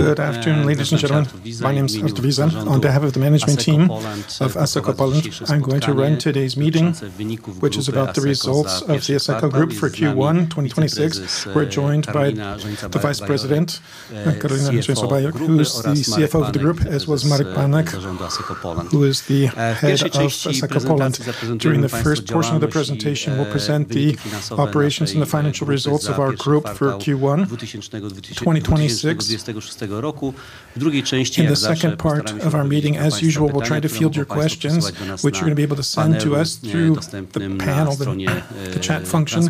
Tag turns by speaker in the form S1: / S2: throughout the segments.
S1: Good afternoon, ladies and gentlemen. My name's Artur Wiza. On behalf of the management team of Asseco Poland, I'm going to run today's meeting, which is about the results of the Asseco Group for Q1 2026. We're joined by the Vice President, Karolina Rzońca-Bajorek, who's the Chief Financial Officer of the Group, as well as Marek Panek, who is the Head of Asseco Poland. During the first portion of the presentation, we'll present the operations and the financial results of our group for Q1 2026. In the second part of our meeting, as usual, we'll try to field your questions, which you're going to be able to send to us through the panel, the chat function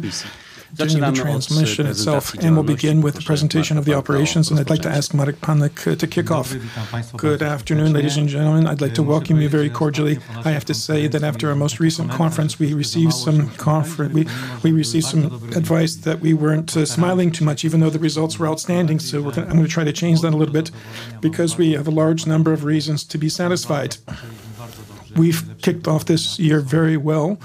S1: during the transmission itself. We'll begin with the presentation of the operations, and I'd like to ask Marek Panek to kick off.
S2: Good afternoon, ladies and gentlemen. I'd like to welcome you very cordially. I have to say that after our most recent conference, we received some advice that we weren't smiling too much, even though the results were outstanding. I'm going to try to change that a little bit because we have a large number of reasons to be satisfied. We've kicked off this year very well,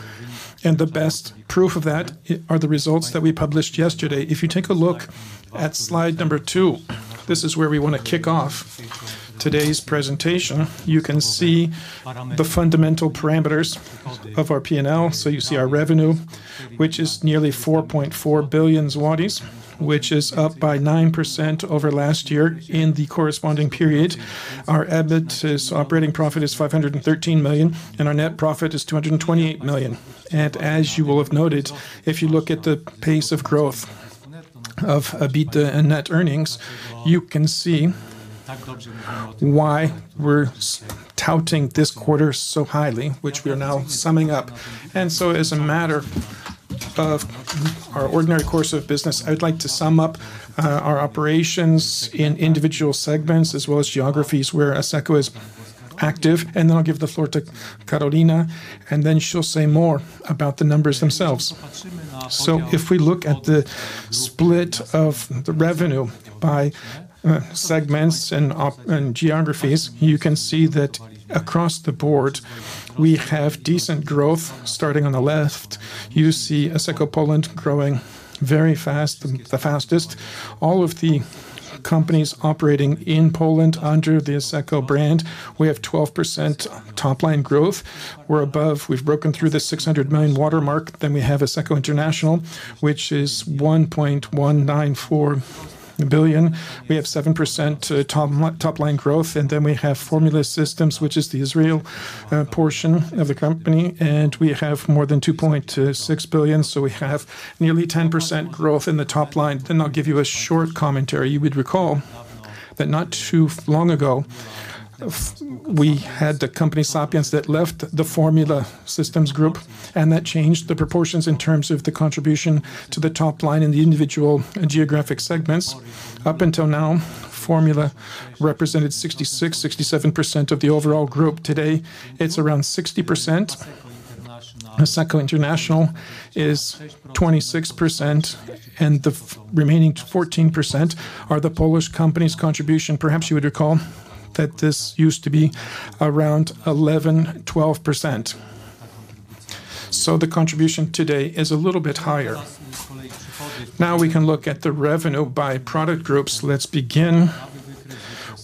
S2: and the best proof of that are the results that we published yesterday. If you take a look at slide number two, this is where we want to kick off today's presentation. You can see the fundamental parameters of our P&L. You see our revenue, which is nearly 4.4 billion zlotys, which is up by 9% over last year in the corresponding period. Our EBIT is operating profit is 513 million, and our net profit is 228 million. As you will have noted, if you look at the pace of growth of EBITDA and net earnings, you can see why we're touting this quarter so highly, which we are now summing up. As a matter of our ordinary course of business, I would like to sum up our operations in individual segments as well as geographies where Asseco is active, and then I'll give the floor to Karolina, and then she'll say more about the numbers themselves. If we look at the split of the revenue by segments and geographies, you can see that across the board, we have decent growth. Starting on the left, you see Asseco Poland growing very fast, the fastest. All of the companies operating in Poland under the Asseco brand, we have 12% top-line growth. We've broken through the 600 million watermark. We have Asseco International, which is 1.194 billion. We have 7% top-line growth. We have Formula Systems, which is the Israel portion of the company, and we have more than 2.6 billion. We have nearly 10% growth in the top line. I'll give you a short commentary. You would recall that not too long ago, we had the company, Sapiens, that left the Formula Systems group, and that changed the proportions in terms of the contribution to the top line in the individual geographic segments. Up until now, Formula represented 66%, 67% of the overall group. Today, it's around 60%. Asseco International is 26%, and the remaining 14% are the Polish company's contribution. Perhaps you would recall that this used to be around 11%, 12%. The contribution today is a little bit higher. We can look at the revenue by product groups. Let's begin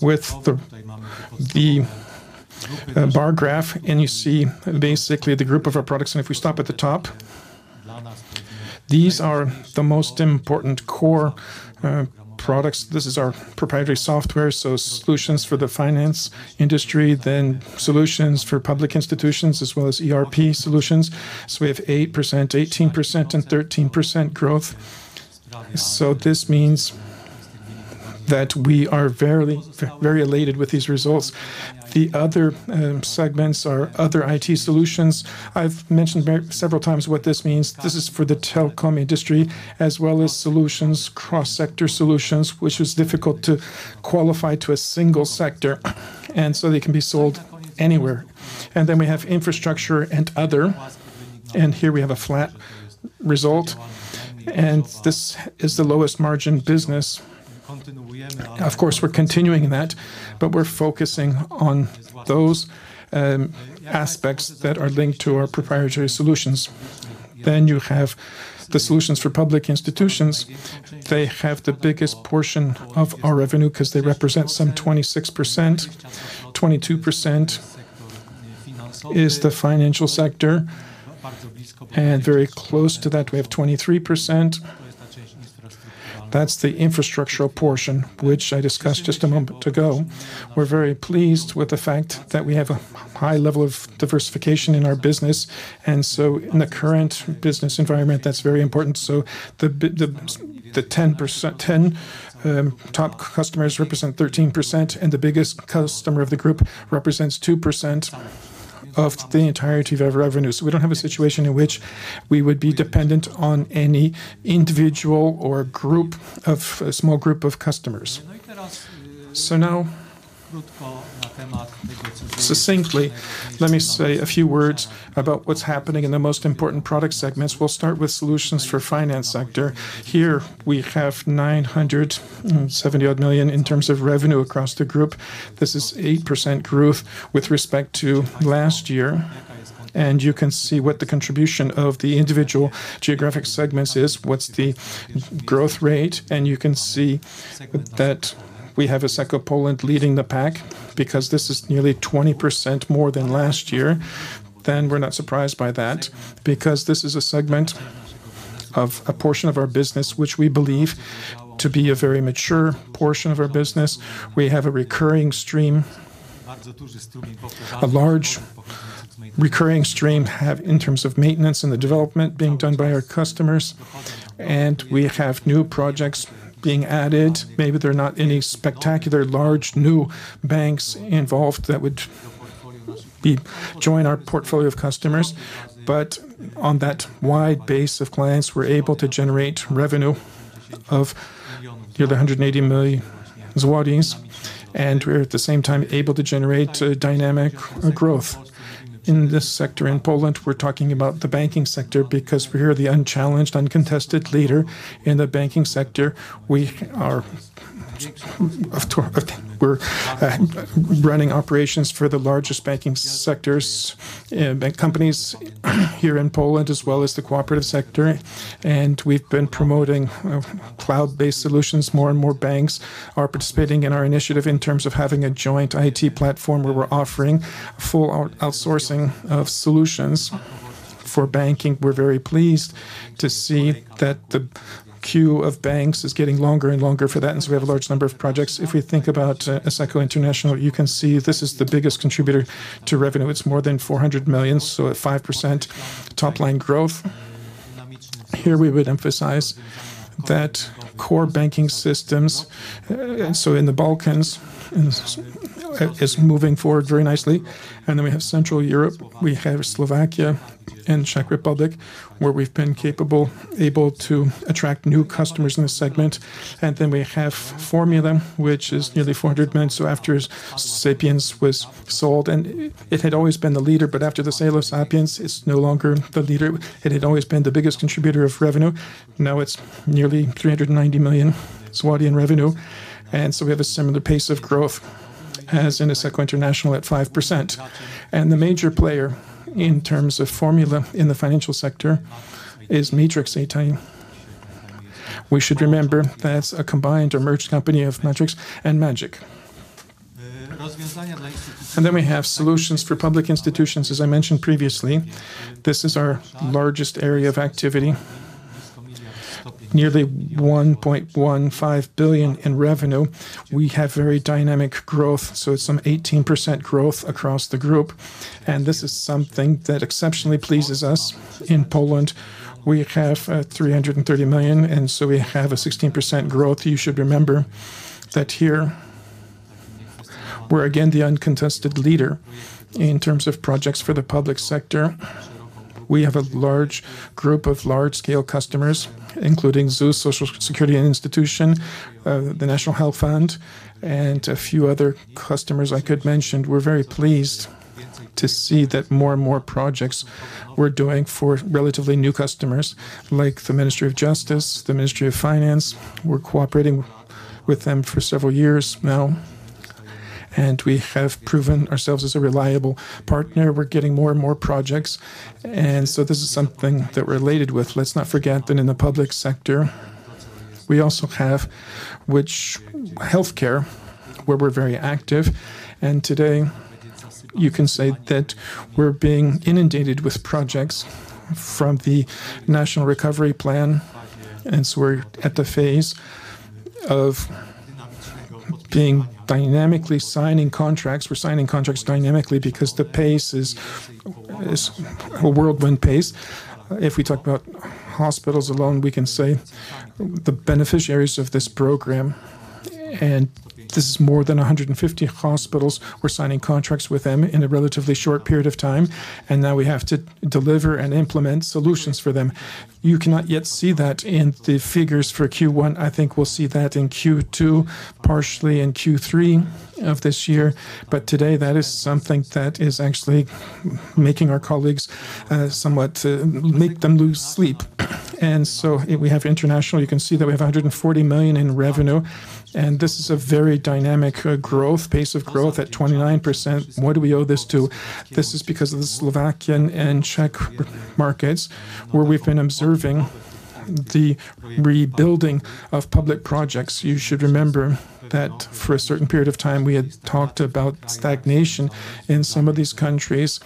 S2: with the bar graph, you see basically the group of our products. If we stop at the top, these are the most important core products. This is our proprietary software, so solutions for the finance industry, then solutions for public institutions, as well as ERP solutions. We have 8%, 18% and 13% growth. This means that we are very elated with these results. The other segments are other IT solutions. I've mentioned several times what this means. This is for the telecom industry as well as solutions, cross-sector solutions, which was difficult to qualify to a single sector, and so they can be sold anywhere. Then we have infrastructure and other, and here we have a flat result, and this is the lowest margin business. Of course, we're continuing that, but we're focusing on those aspects that are linked to our proprietary solutions. You have the solutions for public institutions. They have the biggest portion of our revenue because they represent some 26%. 22% is the financial sector, and very close to that, we have 23%. That's the infrastructural portion, which I discussed just a moment ago. We're very pleased with the fact that we have a high level of diversification in our business, and so in the current business environment, that's very important. The 10 top customers represent 13%, and the biggest customer of the group represents 2% of the entirety of our revenue. We don't have a situation in which we would be dependent on any individual or a small group of customers. Now, succinctly, let me say a few words about what's happening in the most important product segments. We'll start with solutions for finance sector. Here we have 970-odd million in terms of revenue across the group. This is 8% growth with respect to last year. You can see what the contribution of the individual geographic segments is, what's the growth rate, and you can see that we have Asseco Poland leading the pack because this is nearly 20% more than last year. We're not surprised by that because this is a segment of a portion of our business, which we believe to be a very mature portion of our business. We have a recurring stream, a large recurring stream in terms of maintenance and the development being done by our customers. We have new projects being added. Maybe there are not any spectacular large new banks involved that would join our portfolio of customers. On that wide base of clients, we're able to generate revenue of nearly 180 million, and we're at the same time able to generate dynamic growth in this sector. In Poland, we're talking about the banking sector because we're the unchallenged, uncontested leader in the banking sector. We're running operations for the largest banking sectors, bank companies here in Poland, as well as the cooperative sector. We've been promoting cloud-based solutions. More and more banks are participating in our initiative in terms of having a joint IT platform where we're offering full outsourcing of solutions for banking. We're very pleased to see that the queue of banks is getting longer and longer for that, and so we have a large number of projects. If we think about Asseco International, you can see this is the biggest contributor to revenue. It's more than 400 million, so a 5% top-line growth. Here we would emphasize that core banking systems, so in the Balkans, it's moving forward very nicely. We have Central Europe. We have Slovakia and Czech Republic, where we've been able to attract new customers in this segment. We have Formula, which is nearly 400 million. After Sapiens was sold, and it had always been the leader, but after the sale of Sapiens, it's no longer the leader. It had always been the biggest contributor of revenue. Now it's nearly 390 million in revenue, we have a similar pace of growth as in Asseco International at 5%. The major player in terms of Formula in the financial sector is Matrix IT. We should remember that's a combined or merged company of Matrix and Magic. We have solutions for public institutions, as I mentioned previously. This is our largest area of activity, nearly 1.15 billion in revenue. We have very dynamic growth, so it's some 18% growth across the Group. This is something that exceptionally pleases us. In Poland, we have 330 million, and so we have a 16% growth. You should remember that here we're again the uncontested leader in terms of projects for the public sector. We have a large group of large-scale customers, including ZUS Social Security Institution, the National Health Fund, and a few other customers I could mention. We're very pleased to see that more and more projects we're doing for relatively new customers, like the Ministry of Justice, the Ministry of Finance. We're cooperating with them for several years now, and we have proven ourselves as a reliable partner. We're getting more and more projects, this is something that we're elated with. Let's not forget that in the public sector, we also have healthcare, where we're very active. Today you can say that we're being inundated with projects from the National Recovery Plan, we're at the phase of dynamically signing contracts. We're signing contracts dynamically because the pace is a whirlwind pace. If we talk about hospitals alone, we can say the beneficiaries of this program, and this is more than 150 hospitals. We're signing contracts with them in a relatively short period of time, now we have to deliver and implement solutions for them. You cannot yet see that in the figures for Q1. I think we'll see that in Q2, partially in Q3 of this year. Today, that is something that is actually making our colleagues somewhat lose sleep. We have international. You can see that we have 140 million in revenue, this is a very dynamic growth, pace of growth at 29%. What do we owe this to? This is because of the Slovakian and Czech markets, where we've been observing the rebuilding of public projects. You should remember that for a certain period of time, we had talked about stagnation in some of these countries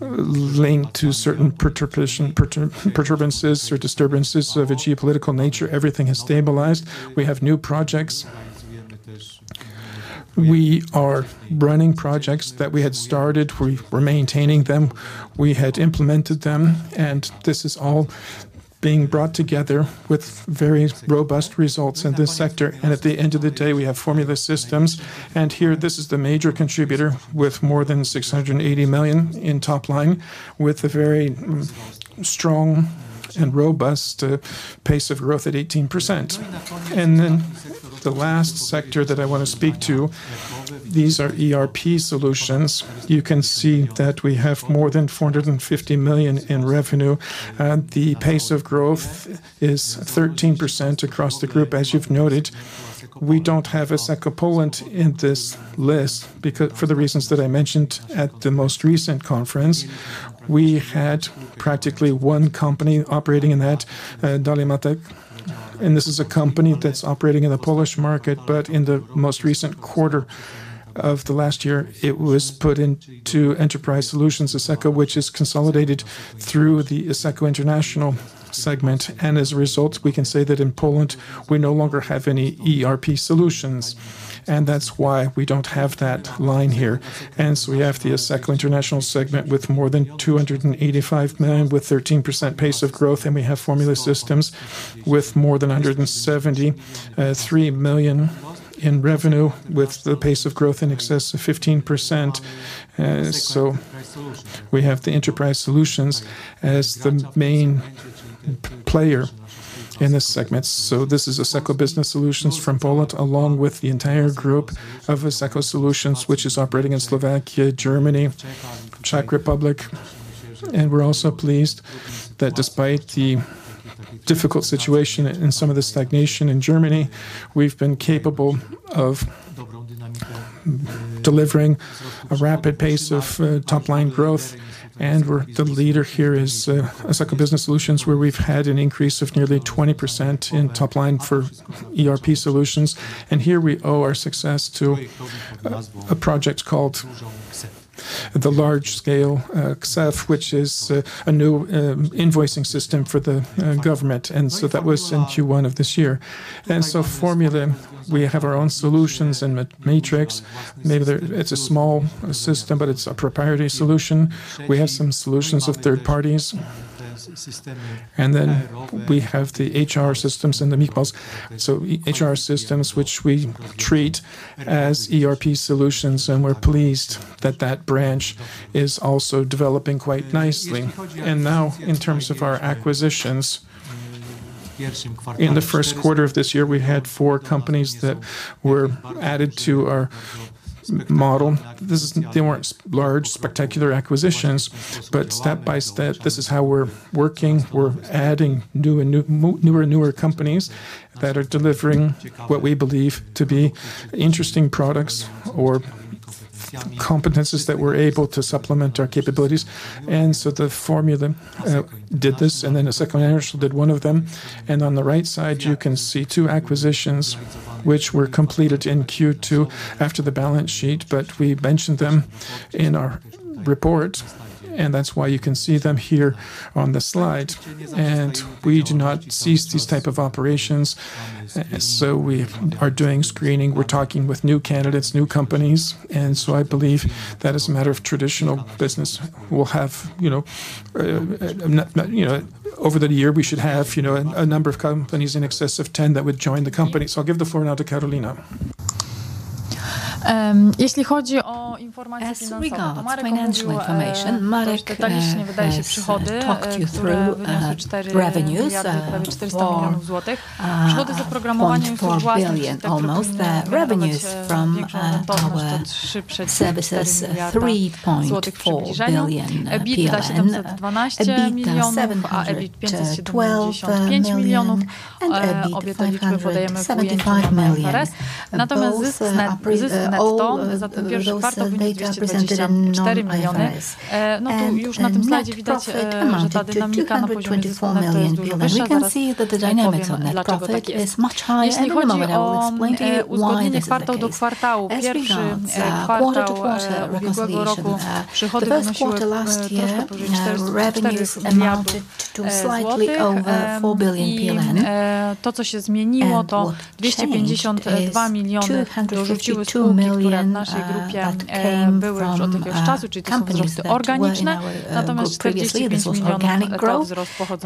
S2: linked to certain perturbances or disturbances of a geopolitical nature. Everything has stabilized. We have new projects. We are running projects that we had started. We're maintaining them. We had implemented them, this is all being brought together with very robust results in this sector. At the end of the day, we have Formula Systems. Here, this is the major contributor with more than 680 million in top line, with a very strong and robust pace of growth at 18%. The last sector that I want to speak to, these are ERP solutions. You can see that we have more than 450 million in revenue. The pace of growth is 13% across the group. As you've noted, we don't have Asseco Poland in this list for the reasons that I mentioned at the most recent conference. We had practically one company operating in that, DahliaMatic. This is a company that's operating in the Polish market, but in the most recent quarter of the last year, it was put into Enterprise Solutions Asseco, which is consolidated through the Asseco International segment. As a result, we can say that in Poland, we no longer have any ERP solutions, and that's why we don't have that line here. We have the Asseco International segment with more than 285 million with 13% pace of growth, and we have Formula Systems with more than 173 million in revenue with the pace of growth in excess of 15%. We have the Enterprise Solutions as the main player in this segment. This is Asseco Business Solutions from Poland, along with the entire group of Asseco Solutions, which is operating in Slovakia, Germany, Czech Republic. We're also pleased that despite the difficult situation and some of the stagnation in Germany, we've been capable of delivering a rapid pace of top-line growth. The leader here is Asseco Business Solutions, where we've had an increase of nearly 20% in top line for ERP solutions. Here we owe our success to a project called the large-scale KSeF, which is a new invoicing system for the government. That was in Q1 of this year. Formula, we have our own solutions and Matrix, maybe it's a small system, but it's a proprietary solution. We have some solutions of third parties, and then we have the HR systems and the Michpal. HR systems, which we treat as ERP solutions, and we're pleased that that branch is also developing quite nicely. In terms of our acquisitions, in the first quarter of this year, we had four companies that were added to our model. They weren't large, spectacular acquisitions, but step by step, this is how we're working. We're adding newer and newer companies that are delivering what we believe to be interesting products or competencies that we're able to supplement our capabilities. The Formula did this. Asseco International did one of them. On the right side, you can see two acquisitions, which were completed in Q2 after the balance sheet. We mentioned them in our report, and that's why you can see them here on the slide. We do not cease these type of operations. We are doing screening. We're talking with new candidates, new companies. I believe that is a matter of traditional business. Over the year, we should have a number of companies in excess of 10 that would join the company. I'll give the floor now to Karolina.
S3: As regards financial information, Marek has talked you through revenues, 4.4 billion almost. Revenues from our services, 3.4 billion PLN. EBIT 712 million and EBIT 575 million. Both those figures are presented in non-IFRS. Net profit amounted to PLN 224 million. We can see that the dynamics of net profit is much higher. In a moment, I will explain why this is the case. As regards quarter-to-quarter reconciliation, the first quarter last year, revenues amounted to slightly over PLN 4 billion. What changed is 252 million that came from companies that were in our group last year. This was organic growth. 45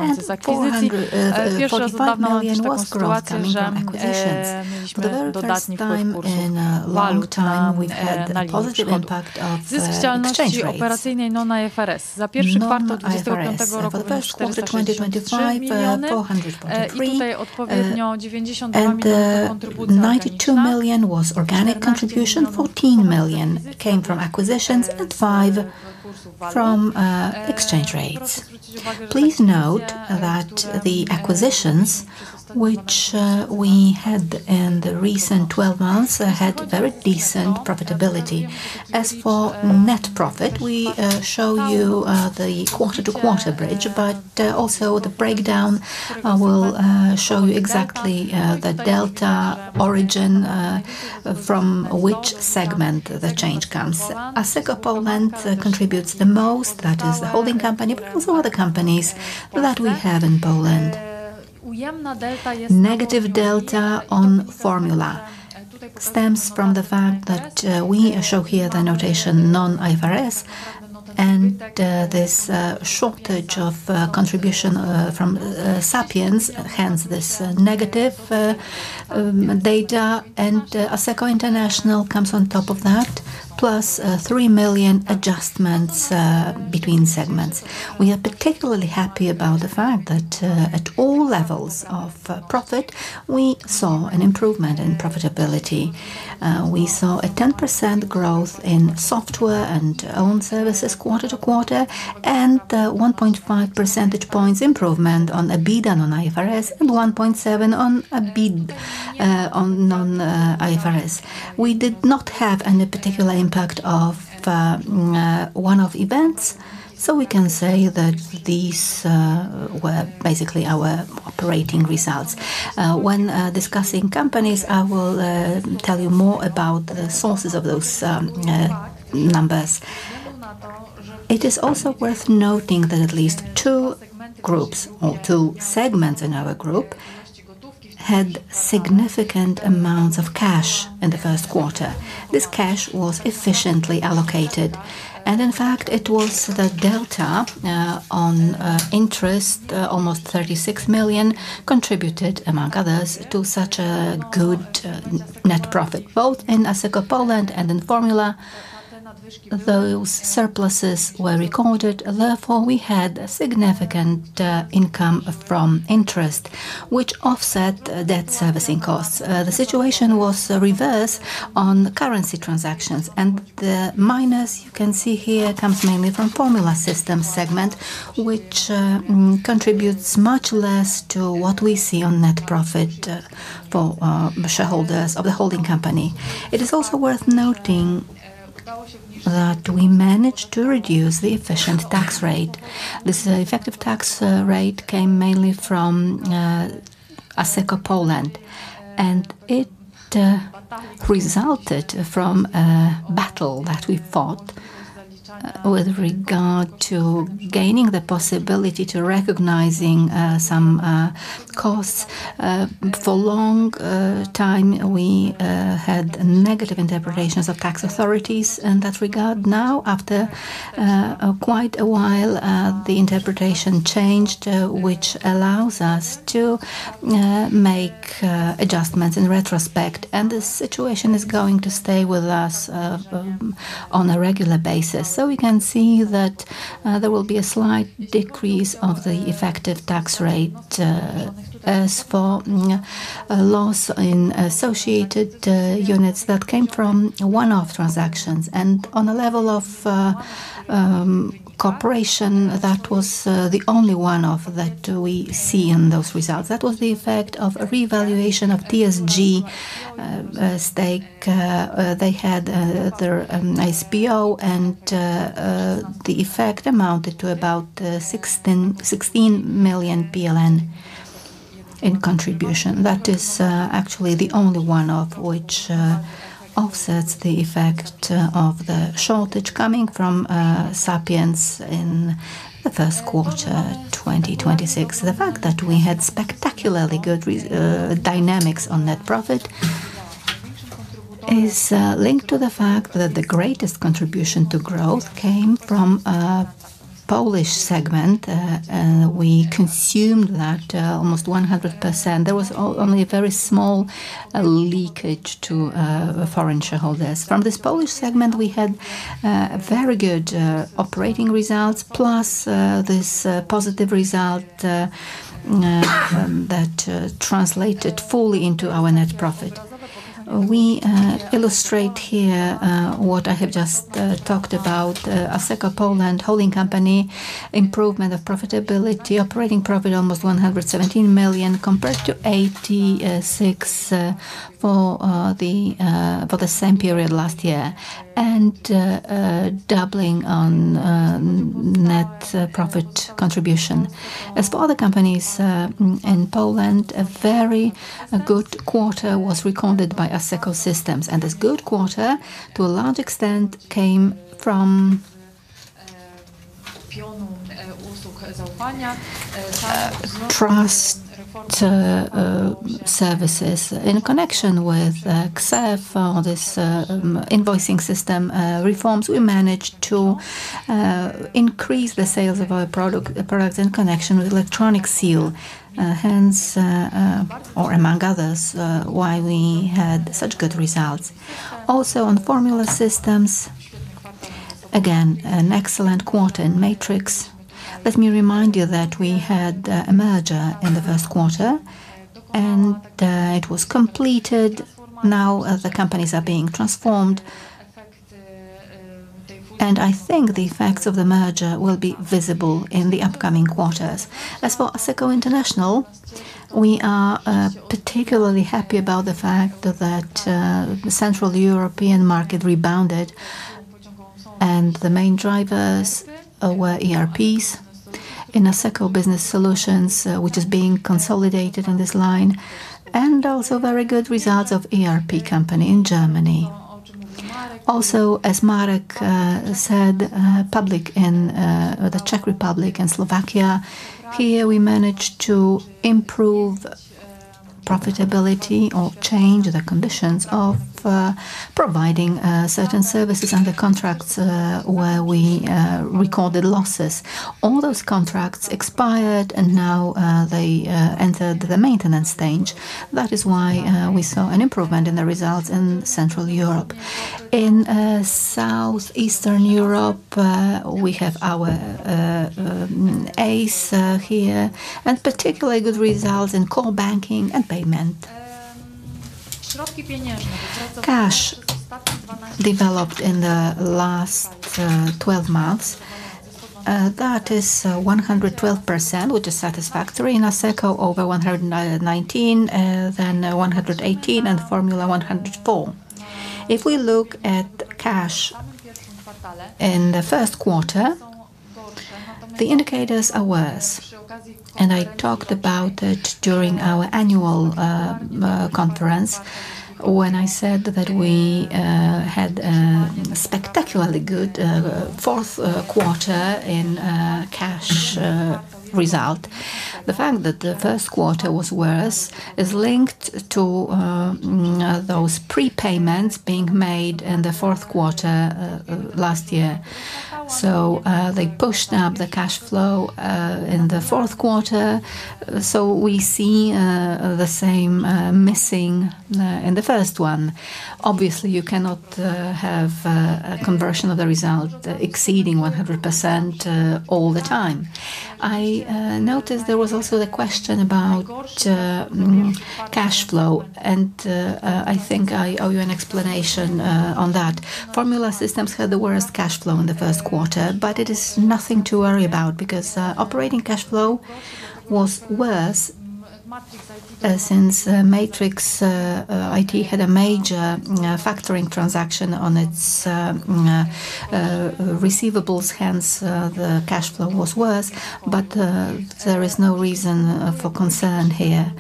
S3: million was growth coming from acquisitions. For the very first time in a long time, we've had a positive impact of exchange rates, non-IFRS. For the first quarter 2025, and 92 million was organic contribution, 14 million came from acquisitions, and 5 million from exchange rates. Please note that the acquisitions, which we had in the recent 12 months, had very decent profitability. As for net profit, we show you the quarter-to-quarter bridge, but also the breakdown will show you exactly the delta origin from which segment the change comes. Asseco Poland contributes the most, that is the holding company, but also other companies that we have in Poland. Negative delta on Formula stems from the fact that we show here the notation non-IFRS and this shortage of contribution from Sapiens, hence this negative data, and Asseco International comes on top of that, +3 million adjustments between segments. We are particularly happy about the fact that at all levels of profit, we saw an improvement in profitability. We saw a 10% growth in software and own services quarter-to-quarter and 1.5 percentage points improvement on EBIT on non-IFRS and 1.7 percentage points on EBIT on non-IFRS. We did not have any particular impact of one-off events, so we can say that these were basically our operating results. When discussing companies, I will tell you more about the sources of those numbers. It is also worth noting that at least two groups or two segments in our Group had significant amounts of cash in the first quarter. This cash was efficiently allocated, and in fact, it was the delta on interest, almost 36 million, contributed, among others, to such a good net profit, both in Asseco Poland and in Formula. Those surpluses were recorded, therefore, we had a significant income from interest, which offset debt servicing costs. The situation was the reverse on currency transactions, the minus you can see here comes mainly from Formula Systems segment, which contributes much less to what we see on net profit for shareholders of the holding company. It is also worth noting that we managed to reduce the effective tax rate. This effective tax rate came mainly from Asseco Poland, it resulted from a battle that we fought with regard to gaining the possibility to recognizing some costs. For a long time, we had negative interpretations of tax authorities in that regard. After quite a while, the interpretation changed, which allows us to make adjustments in retrospect, the situation is going to stay with us on a regular basis. We can see that there will be a slight decrease of the effective tax rate. As for a loss in associated units, that came from one-off transactions. On a level of cooperation, that was the only one-off that we see in those results. That was the effect of a revaluation of TSG stake. They had their IPO, and the effect amounted to about 16 million PLN in contribution. That is actually the only one-off which offsets the effect of the shortage coming from Sapiens in the first quarter 2026. The fact that we had spectacularly good dynamics on net profit is linked to the fact that the greatest contribution to growth came from a Polish segment. We consumed that almost 100%. There was only a very small leakage to foreign shareholders. From this Polish segment, we had very good operating results, plus this positive result that translated fully into our net profit. We illustrate here what I have just talked about. Asseco Poland holding company, improvement of profitability, operating profit almost 117 million, compared to 86 million for the same period last year, and doubling on net profit contribution. As for other companies in Poland, a very good quarter was recorded by Asseco Systems. This good quarter, to a large extent, came from trust services. In connection with KSeF, this invoicing system reforms, we managed to increase the sales of our products in connection with electronic seal, hence, or among others, why we had such good results. On Formula Systems, again, an excellent quarter in Matrix. Let me remind you that we had a merger in the first quarter. It was completed. The companies are being transformed. I think the effects of the merger will be visible in the upcoming quarters. As for Asseco International, we are particularly happy about the fact that the Central European market rebounded, and the main drivers were ERPs in Asseco Business Solutions, which is being consolidated in this line, and also very good results of ERP company in Germany. As Marek said, public in the Czech Republic and Slovakia, here we managed to improve profitability or change the conditions of providing certain services under contracts where we recorded losses. All those contracts expired, and now they entered the maintenance stage. That is why we saw an improvement in the results in Central Europe. In Southeastern Europe, we have our ASEE here, and particularly good results in core banking and payment. Cash developed in the last 12 months. That is 112%, which is satisfactory in Asseco, over 119%, then 118%, and Formula Systems 104%. If we look at cash in the first quarter. The indicators are worse, and I talked about it during our annual conference when I said that we had a spectacularly good fourth quarter in cash result. The fact that the first quarter was worse is linked to those prepayments being made in the fourth quarter last year. We see the same missing in the first one. Obviously, you cannot have a conversion of the result exceeding 100% all the time. I noticed there was also the question about cash flow. I think I owe you an explanation on that. Formula Systems had the worst cash flow in the first quarter. It is nothing to worry about because operating cash flow was worse since Matrix IT had a major factoring transaction on its receivables. Hence, the cash flow was worse, but there is no reason for concern here.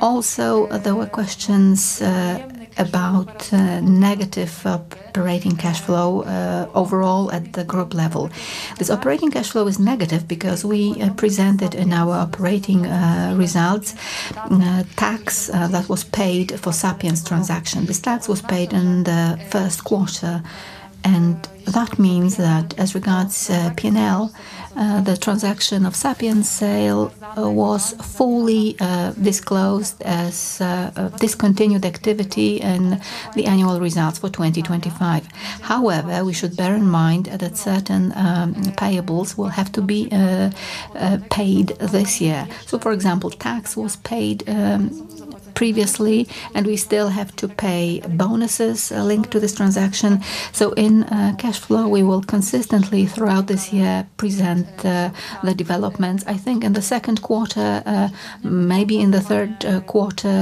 S3: Also, there were questions about negative operating cash flow overall at the group level. This operating cash flow is negative because we presented in our operating results, tax that was paid for Sapiens transaction. This tax was paid in the first quarter, and that means that as regards P&L, the transaction of Sapiens sale was fully disclosed as a discontinued activity in the annual results for 2025. However, we should bear in mind that certain payables will have to be paid this year. For example, tax was paid previously, and we still have to pay bonuses linked to this transaction. In cash flow, we will consistently, throughout this year, present the developments. I think in the second quarter, maybe in the third quarter,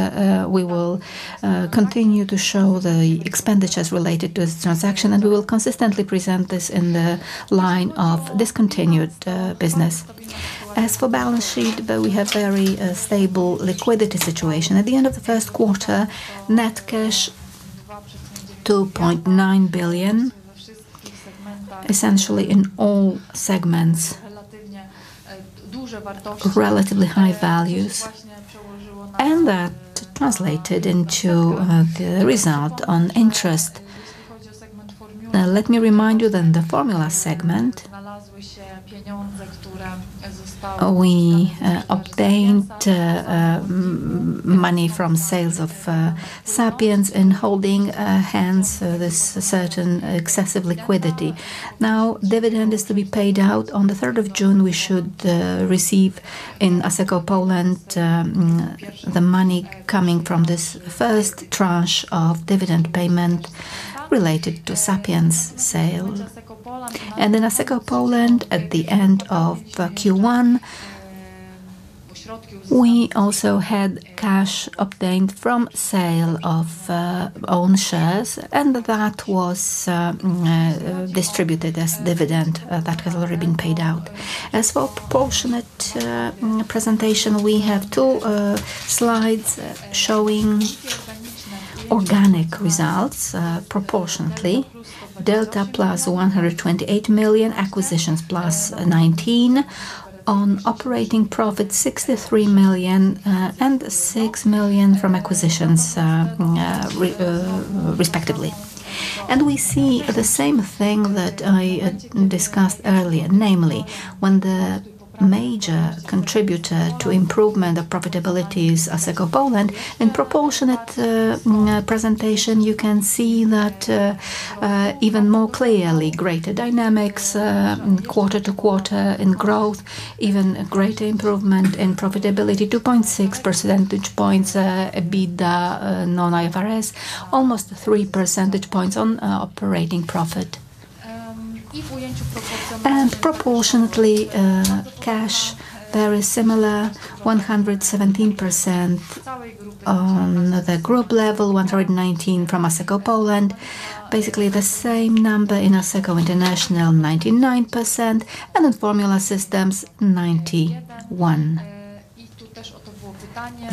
S3: we will continue to show the expenditures related to this transaction, and we will consistently present this in the line of discontinued business. As for balance sheet, we have very stable liquidity situation. At the end of the first quarter, net cash 2.9 billion, essentially in all segments. Relatively high values. That translated into the result on interest. Let me remind you that in the Formula segment, we obtained money from sales of Sapiens and holding hence this certain excessive liquidity. Dividend is to be paid out. On the 3rd of June, we should receive in Asseco Poland the money coming from this first tranche of dividend payment related to Sapiens sale. In Asseco Poland, at the end of Q1, we also had cash obtained from sale of owned shares, and that was distributed as dividend. That has already been paid out. As for proportionate presentation, we have two slides showing organic results proportionately. Delta +128 million, acquisitions +19 million. On operating profit, 63 million and 6 million from acquisitions, respectively. We see the same thing that I discussed earlier, namely, when the major contributor to improvement of profitability is Asseco Poland. In proportionate presentation, you can see that even more clearly, greater dynamics quarter-to-quarter in growth, even a greater improvement in profitability, 2.6 percentage points, EBITDA, non-IFRS, almost 3 percentage points on operating profit. Proportionately cash, very similar, 117% on the group level, 119% from Asseco Poland, basically the same number in Asseco International, 99%, and in Formula Systems, 91%.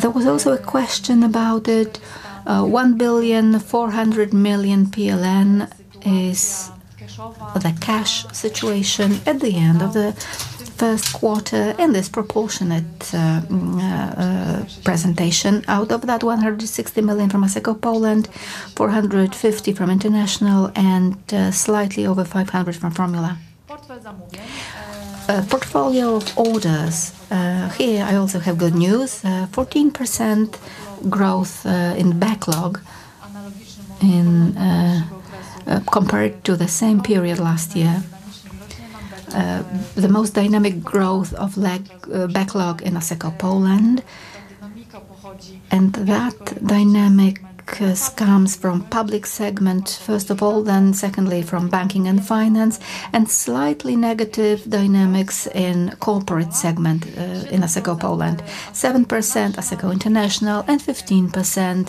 S3: There was also a question about it. 1,400,000,000 PLN is the cash situation at the end of the first quarter in this proportionate presentation. Out of that 160 million from Asseco Poland, 450 million from International, and slightly over 500 million from Formula. Portfolio of orders. Here I also have good news, 14% growth in backlog compared to the same period last year. The most dynamic growth of backlog in Asseco Poland. That dynamic comes from public segment, first of all, then secondly, from banking and finance, and slightly negative dynamics in corporate segment in Asseco Poland, 7% Asseco International and 15%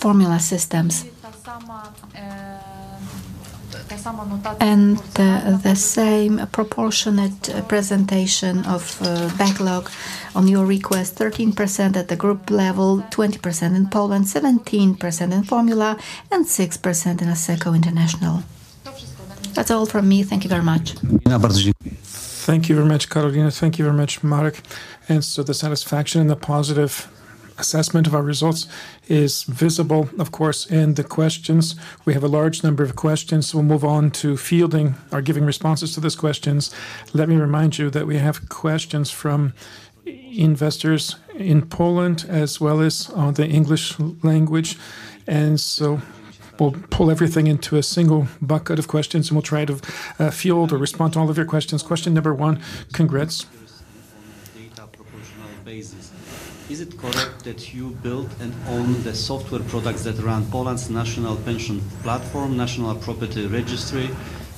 S3: Formula Systems. The same proportionate presentation of backlog on your request, 13% at the group level, 20% in Poland, 17% in Formula, and 6% in Asseco International. That's all from me. Thank you very much.
S1: Thank you very much, Karolina. Thank you very much, Marek. The satisfaction and the positive assessment of our results is visible, of course, in the questions. We have a large number of questions, so we'll move on to fielding or giving responses to those questions. Let me remind you that we have questions from investors in Poland as well as the English language. We'll pull everything into a single bucket of questions, and we'll try to field or respond to all of your questions. Question number one. Congrats. On a data proportional basis, is it correct that you built and own the software products that run Poland's national pension platform, national property registry,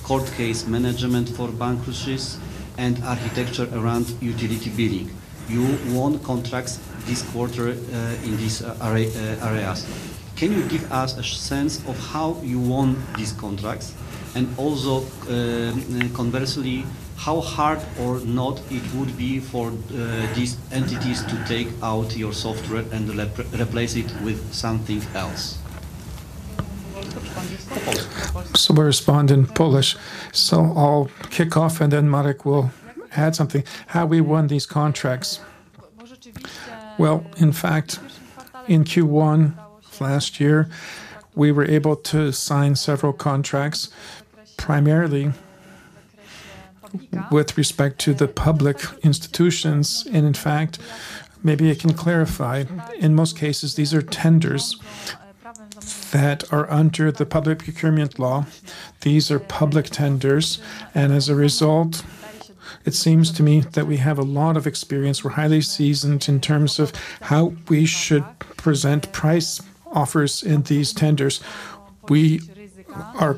S1: court case management for bankruptcies, and architecture around utility billing? You won contracts this quarter in these areas. Can you give us a sense of how you won these contracts? Also, conversely, how hard or not it would be for these entities to take out your software and replace it with something else?
S3: In Polish or English? We'll respond in Polish. I'll kick off, and then Marek will add something. How we won these contracts. Well, in fact, in Q1 last year, we were able to sign several contracts, primarily with respect to the public institutions. In fact, maybe I can clarify. In most cases, these are tenders that are under the Public Procurement Law. These are public tenders. As a result, it seems to me that we have a lot of experience. We're highly seasoned in terms of how we should present price offers in these tenders. We are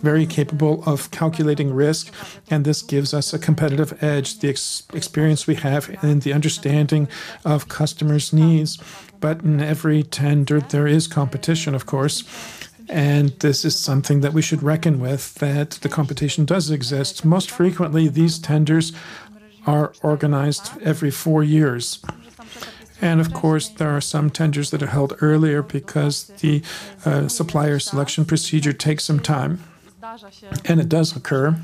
S3: very capable of calculating risk, and this gives us a competitive edge, the experience we have and the understanding of customers' needs. In every tender, there is competition, of course, and this is something that we should reckon with, that the competition does exist. Most frequently, these tenders are organized every four years. Of course, there are some tenders that are held earlier because the supplier selection procedure takes some time, and it does occur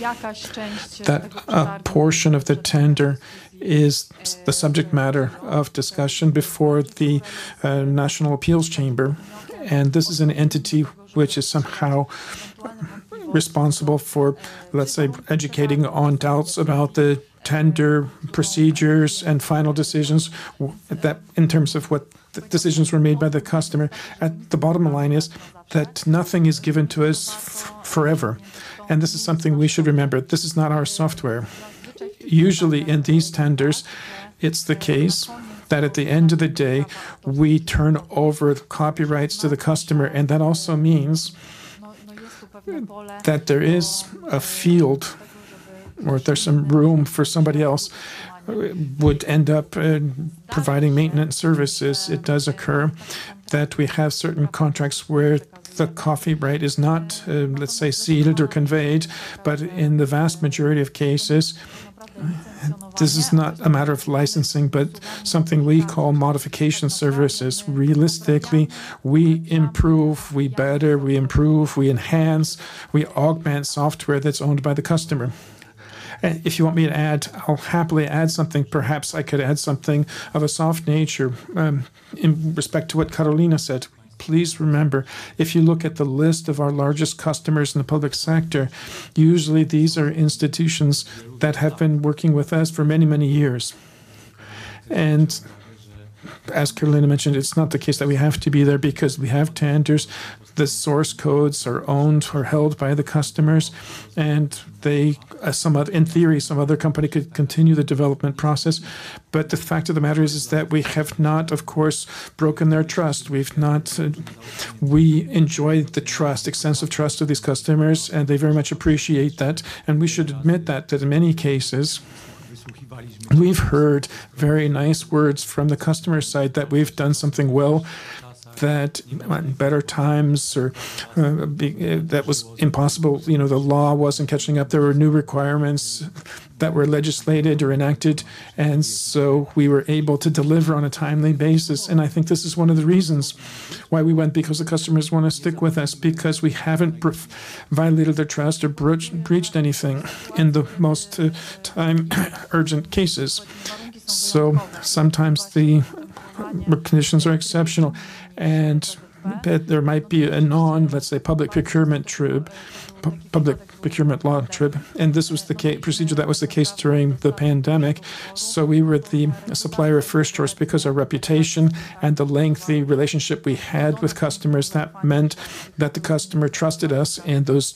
S3: that a portion of the tender is the subject matter of discussion before the National Appeals Chamber, and this is an entity which is somehow responsible for, let's say, educating on doubts about the tender procedures and final decisions in terms of what decisions were made by the customer. The bottom line is that nothing is given to us forever, and this is something we should remember. This is not our software. Usually, in these tenders, it's the case that at the end of the day, we turn over the copyrights to the customer, and that also means that there is a field, or there's some room for somebody else who would end up providing maintenance services. It does occur that we have certain contracts where the copyright is not, let's say, ceded or conveyed. In the vast majority of cases, this is not a matter of licensing, but something we call modification services. Realistically, we improve, we better, we enhance, we augment software that's owned by the customer.
S2: If you want me to add, I'll happily add something. Perhaps I could add something of a soft nature. In respect to what Karolina said, please remember, if you look at the list of our largest customers in the public sector, usually these are institutions that have been working with us for many, many years. As Karolina mentioned, it's not the case that we have to be there because we have tenders. The source codes are owned or held by the customers, and in theory, some other company could continue the development process. The fact of the matter is that we have not, of course, broken their trust. We enjoy extensive trust of these customers, and they very much appreciate that. We should admit that in many cases, we've heard very nice words from the customer side that we've done something well, that better times or that was impossible. The law wasn't catching up. There were new requirements that were legislated or enacted, we were able to deliver on a timely basis. I think this is one of the reasons why we went, because the customers want to stick with us because we haven't violated their trust or breached anything in the most time-urgent cases. Sometimes the conditions are exceptional, and there might be a non, let's say, Public Procurement trip, Public Procurement Law trip, and this was the procedure that was the case during the pandemic. We were the supplier of first choice because our reputation and the lengthy relationship we had with customers, that meant that the customer trusted us in those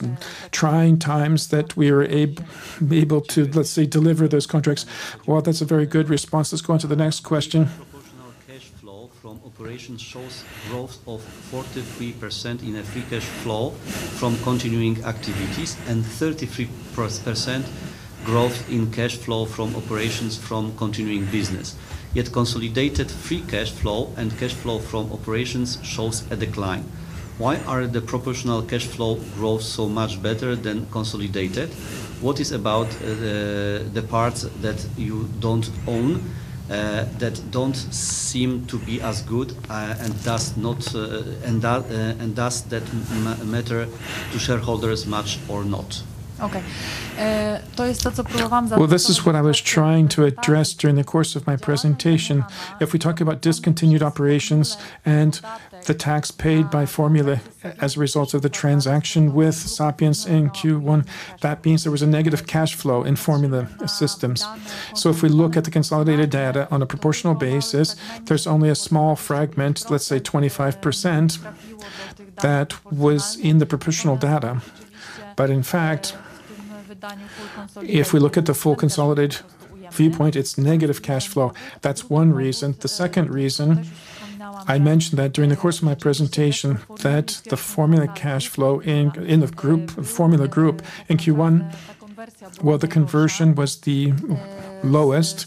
S2: trying times that we were able to, let's say, deliver those contracts.
S1: Well, that's a very good response. Let's go on to the next question. From operations shows growth of 43% in a free cash flow from continuing activities and 33% growth in cash flow from operations from continuing business. Consolidated free cash flow and cash flow from operations shows a decline. Why are the proportional cash flow growth so much better than consolidated? What is about the parts that you don't own, that don't seem to be as good and does that matter to shareholders much or not?
S3: Okay. Well, this is what I was trying to address during the course of my presentation. If we talk about discontinued operations and the tax paid by Formula as a result of the transaction with Sapiens in Q1, that means there was a negative cash flow in Formula Systems. If we look at the consolidated data on a proportional basis, there is only a small fragment, let's say 25%, that was in the proportional data. In fact, if we look at the full consolidated viewpoint, it is negative cash flow. That is one reason. The second reason, I mentioned that during the course of my presentation, that the Formula cash flow in the Formula Group in Q1, well, the conversion was the lowest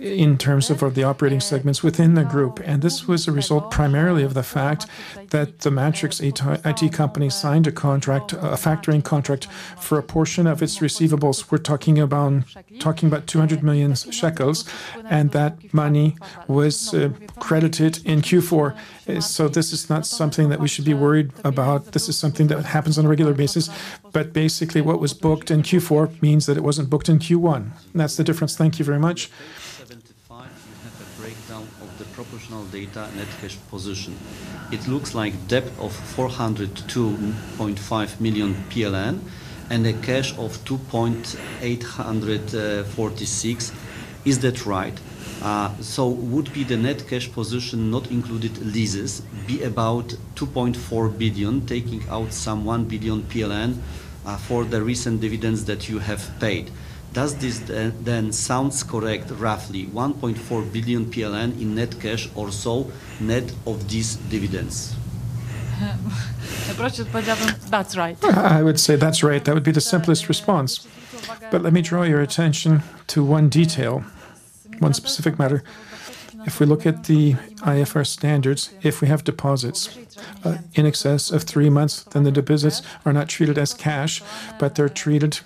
S3: in terms of the operating segments within the Group. This was a result primarily of the fact that the Matrix IT company signed a contract, a factoring contract for a portion of its receivables. We're talking about 200 million shekels, and that money was credited in Q4. This is not something that we should be worried about. This is something that happens on a regular basis. Basically what was booked in Q4 means that it wasn't booked in Q1. That's the difference.
S1: Thank you very much. On page 75, you have a breakdown of the proportional data net cash position. It looks like debt of 402.5 million PLN and a cash of 2.846 billion. Is that right? Would be the net cash position not included leases be about 2.4 billion, taking out some 1 billion PLN, for the recent dividends that you have paid. Does this sounds correct, roughly 1.4 billion PLN in net cash or so, net of these dividends?
S3: That's right. I would say that's right. That would be the simplest response. Let me draw your attention to one detail, one specific matter. If we look at the IFRS standards, if we have deposits in excess of three months, the deposits are not treated as cash, but they're treated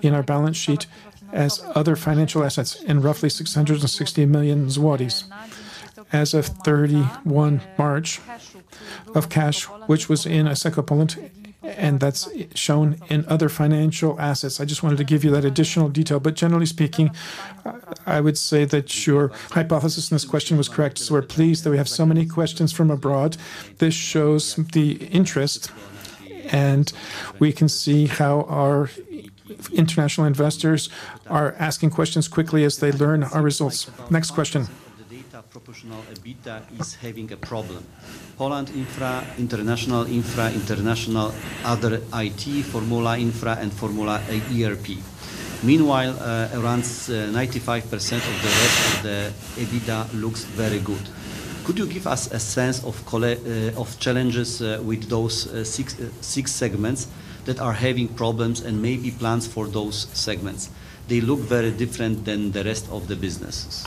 S3: in our balance sheet as other financial assets in roughly 660 million zlotys as of 31 March of cash, which was in Asseco Poland, and that's shown in other financial assets. I just wanted to give you that additional detail. Generally speaking, I would say that your hypothesis in this question was correct. We're pleased that we have so many questions from abroad. This shows the interest, and we can see how our international investors are asking questions quickly as they learn our results.
S1: Next question. About half of the data proportional EBITDA is having a problem. Poland Infra, International Infra, International Other IT, Formula Infra, and Formula ERP. Meanwhile, around 95% of the rest of the EBITDA looks very good. Could you give us a sense of challenges with those six segments that are having problems and maybe plans for those segments? They look very different than the rest of the business.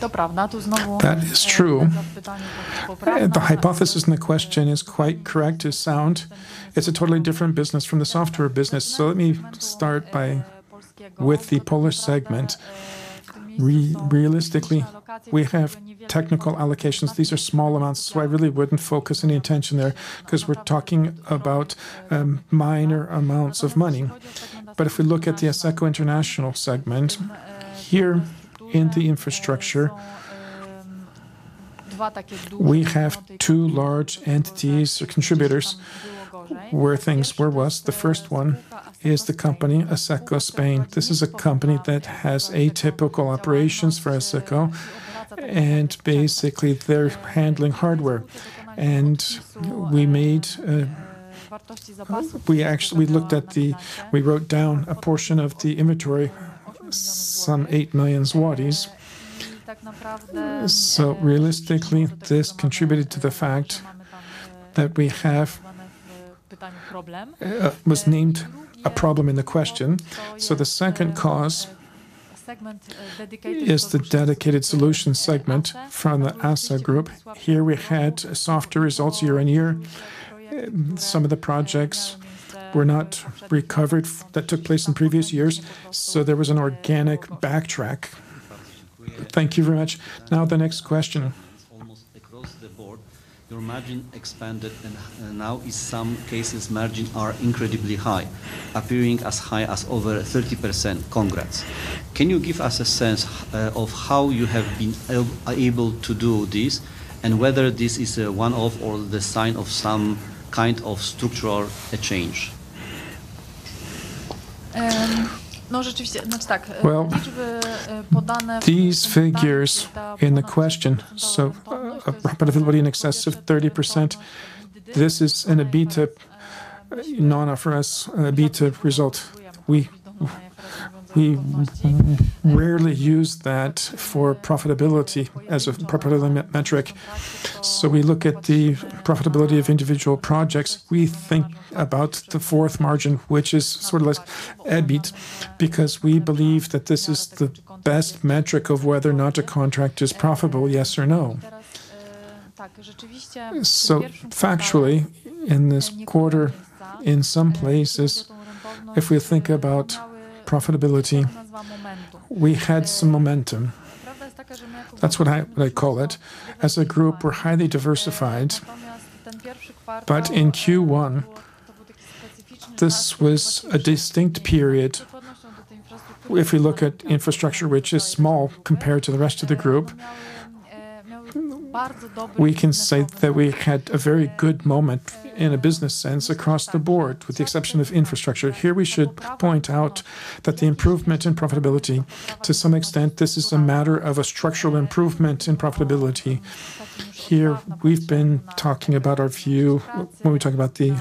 S3: That is true. The hypothesis in the question is quite correct, is sound. It's a totally different business from the software business. Let me start with the Polish segment. Realistically, we have technical allocations. These are small amounts, so I really wouldn't focus any attention there because we're talking about minor amounts of money. If we look at the Asseco International segment, here in the infrastructure, we have two large entities or contributors where things were worse. The first one is the company Asseco Spain. This is a company that has atypical operations for Asseco, basically, they're handling hardware. We wrote down a portion of the inventory, some 8 million zlotys. Realistically, this contributed to the fact that we have was named a problem in the question. The second cause is the Dedicated Solutions segment from the Asseco Group. Here we had softer results year-on-year. Some of the projects were not recovered that took place in previous years, so there was an organic backtrack.
S1: Thank you very much. Now the next question. Almost across the board, your margin expanded, now in some cases, margins are incredibly high, appearing as high as over 30%. Congrats. Can you give us a sense of how you have been able to do this and whether this is a one-off or the sign of some kind of structural change?
S3: Well, these figures in the question, so profitability in excess of 30%, this is in a non-IFRS EBITDA result. We rarely use that for profitability as a profitability metric. We look at the profitability of individual projects. We think about the fourth margin, which is sort of less EBIT, because we believe that this is the best metric of whether or not a contract is profitable, yes or no. Factually, in this quarter, in some places, if we think about profitability, we had some momentum. That's what I call it. As a group, we're highly diversified. In Q1, this was a distinct period. If we look at infrastructure, which is small compared to the rest of the group, we can say that we had a very good moment in a business sense across the board, with the exception of infrastructure. Here, we should point out that the improvement in profitability, to some extent, this is a matter of a structural improvement in profitability. Here, we've been talking about our view when we talk about the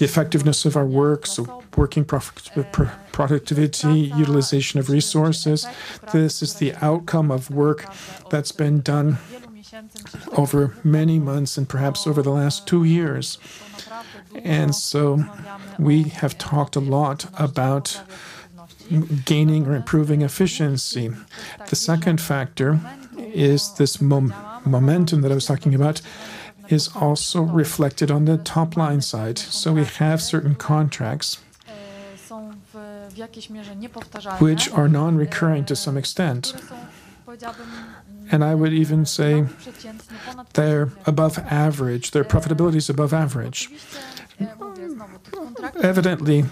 S3: effectiveness of our work, so working productivity, utilization of resources. This is the outcome of work that's been done over many months and perhaps over the last two years. We have talked a lot about gaining or improving efficiency. The second factor is this momentum that I was talking about, is also reflected on the top-line side. We have certain contracts which are non-recurring to some extent, and I would even say they're above average. Their profitability is above average. Evidently,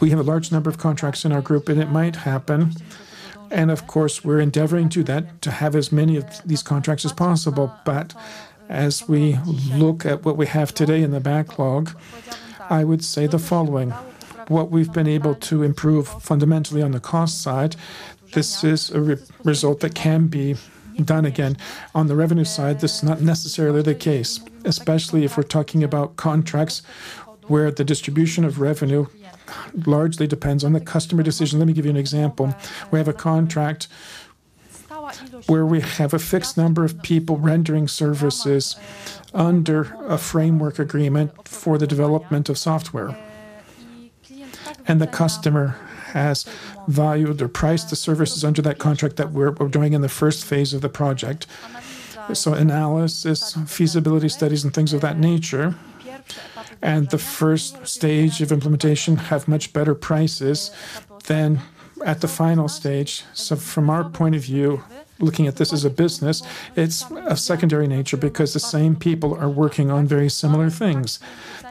S3: we have a large number of contracts in our group and it might happen, and of course, we're endeavoring to that, to have as many of these contracts as possible. As we look at what we have today in the backlog, I would say the following. What we've been able to improve fundamentally on the cost side, this is a result that can be done again. On the revenue side, this is not necessarily the case, especially if we're talking about contracts where the distribution of revenue largely depends on the customer decision. Let me give you an example. We have a contract where we have a fixed number of people rendering services under a framework agreement for the development of software. The customer has valued or priced the services under that contract that we're doing in the first phase of the project. Analysis, feasibility studies, and things of that nature, and the first stage of implementation have much better prices than at the final stage. From our point of view, looking at this as a business, it's of secondary nature because the same people are working on very similar things.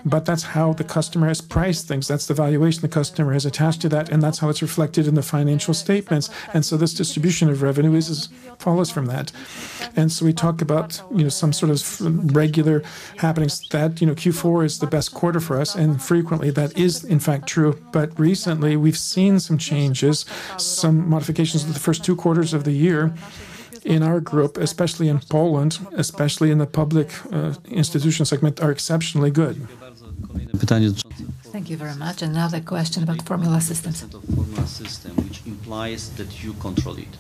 S3: That's how the customer has priced things. That's the valuation the customer has attached to that, and that's how it's reflected in the financial statements. This distribution of revenues follows from that. We talk about some sort of regular happenings that Q4 is the best quarter for us, and frequently that is in fact true. Recently, we've seen some changes, some modifications with the first two quarters of the year in our group, especially in Poland, especially in the public institution segment, are exceptionally good.
S1: Thank you very much. Another question about Formula Systems. Formula Systems, which implies that you control it.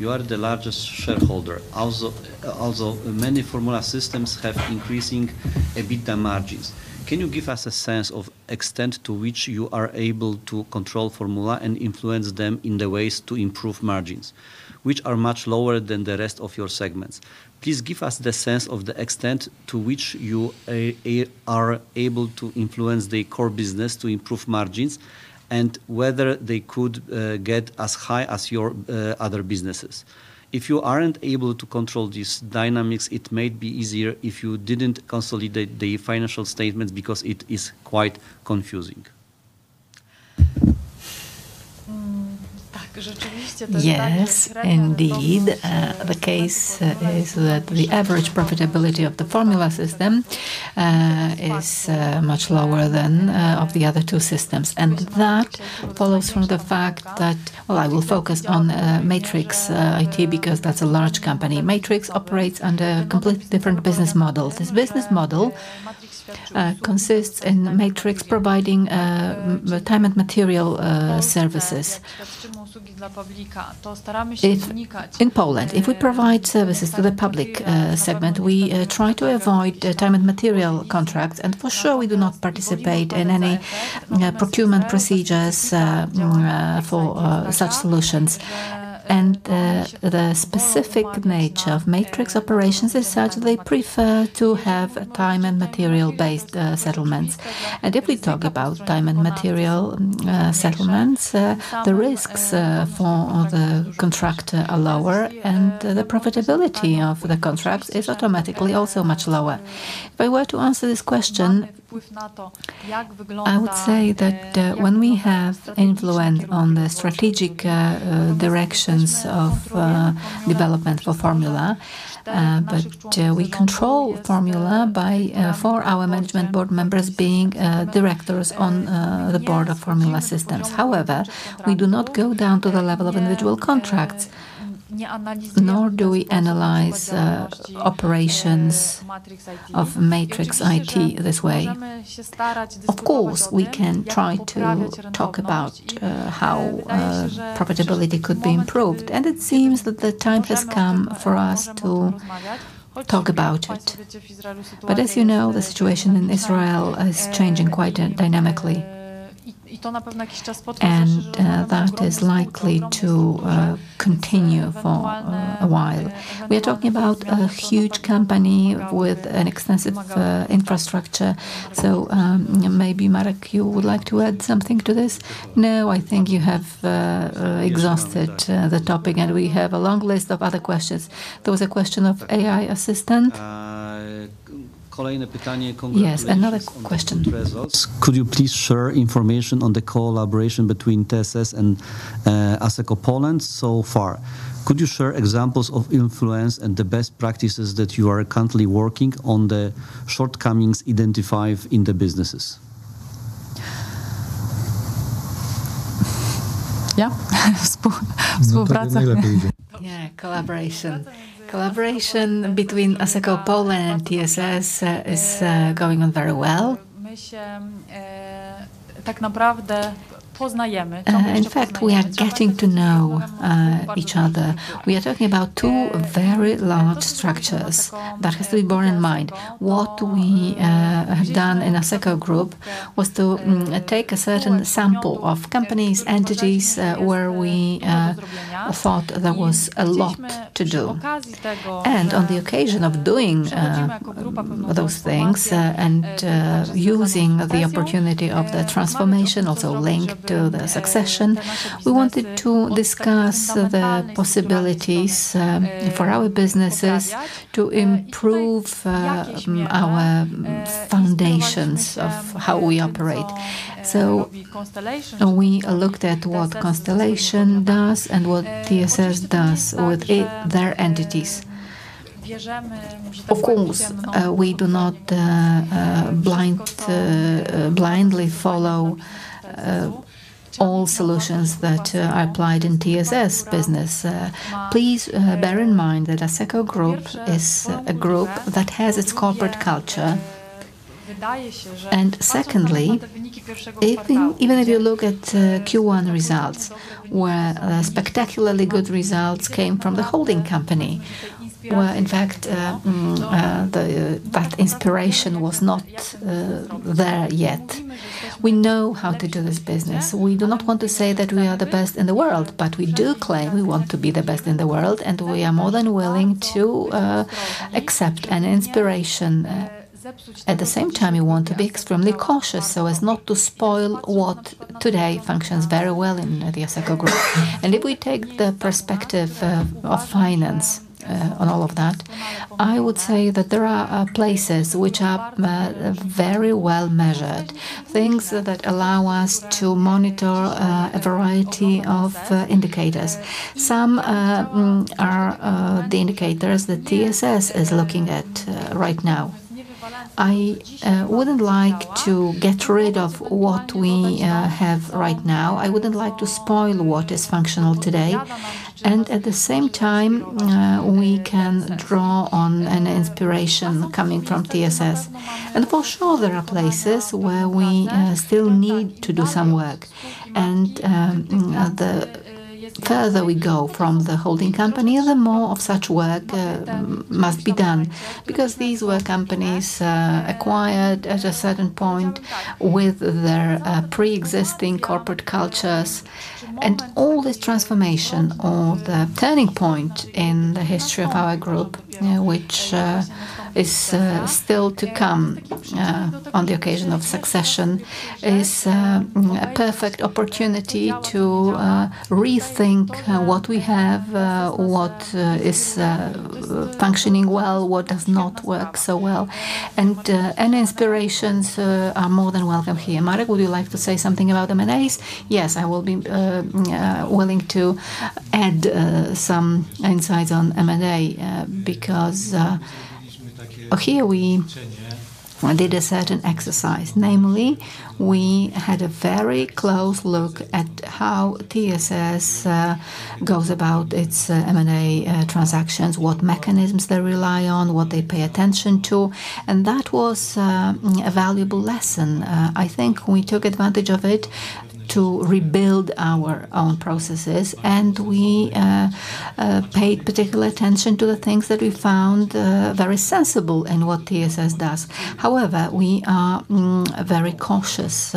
S1: You are the largest shareholder. Also, many Formula Systems have increasing EBITDA margins. Can you give us a sense of extent to which you are able to control Formula and influence them in the ways to improve margins, which are much lower than the rest of your segments? Please give us the sense of the extent to which you are able to influence the core business to improve margins and whether they could get as high as your other businesses. If you aren't able to control these dynamics, it may be easier if you didn't consolidate the financial statements, because it is quite confusing.
S3: Yes, indeed. The case is that the average profitability of Formula Systems is much lower than of the other two systems. That follows from the fact that Well, I will focus on Matrix IT, because that's a large company. Matrix operates under a completely different business model. This business model consists in Matrix providing time and material services. In Poland, if we provide services to the public segment, we try to avoid time and material contracts, and for sure, we do not participate in any procurement procedures for such solutions. The specific nature of Matrix operations is such that they prefer to have time and material-based settlements. If we talk about time and material settlements, the risks for the contract are lower, and the profitability of the contract is automatically also much lower. If I were to answer this question, I would say that when we have influence on the strategic directions of development for Formula, but we control Formula for our Management Board members being Directors on the Board of Formula Systems. However, we do not go down to the level of individual contracts. Nor do we analyze operations of Matrix IT this way. Of course, we can try to talk about how profitability could be improved, and it seems that the time has come for us to talk about it. As you know, the situation in Israel is changing quite dynamically, and that is likely to continue for a while. We are talking about a huge company with an extensive infrastructure. Maybe, Marek, you would like to add something to this?
S2: No, I think you have exhausted the topic, and we have a long list of other questions. There was a question of AI assistant.
S1: Yes, another question. Could you please share information on the collaboration between TSS and Asseco Poland so far? Could you share examples of influence and the best practices that you are currently working on the shortcomings identified in the businesses?
S3: Collaboration between Asseco Poland and TSS is going on very well. In fact, we are getting to know each other. We are talking about two very large structures. That has to be borne in mind. What we have done in Asseco Group was to take a certain sample of companies, entities, where we thought there was a lot to do. On the occasion of doing those things and using the opportunity of the transformation, also linked to the succession, we wanted to discuss the possibilities for our businesses to improve our foundations of how we operate. We looked at what Constellation does and what TSS does with their entities. Of course, we do not blindly follow all solutions that are applied in TSS business. Please bear in mind that Asseco Group is a group that has its corporate culture. Secondly, even if you look at Q1 results, where spectacularly good results came from the holding company, where in fact that inspiration was not there yet. We know how to do this business. We do not want to say that we are the best in the world, but we do claim we want to be the best in the world, and we are more than willing to accept an inspiration. At the same time, we want to be extremely cautious so as not to spoil what today functions very well in the Asseco Group. If we take the perspective of finance on all of that, I would say that there are places which are very well measured. Things that allow us to monitor a variety of indicators. Some are the indicators that TSS is looking at right now. I wouldn't like to get rid of what we have right now. I wouldn't like to spoil what is functional today. At the same time, we can draw on an inspiration coming from TSS. For sure, there are places where we still need to do some work. The further we go from the holding company, the more of such work must be done because these were companies acquired at a certain point with their preexisting corporate cultures. All this transformation, or the turning point in the history of our group, which is still to come on the occasion of succession, is a perfect opportunity to rethink what we have, what is functioning well, what does not work so well. Inspirations are more than welcome here. Marek, would you like to say something about M&As?
S2: Yes, I will be willing to add some insights on M&A, because here we did a certain exercise. Namely, we had a very close look at how TSS goes about its M&A transactions, what mechanisms they rely on, what they pay attention to, and that was a valuable lesson. I think we took advantage of it to rebuild our own processes, and we paid particular attention to the things that we found very sensible in what TSS does. We are very cautious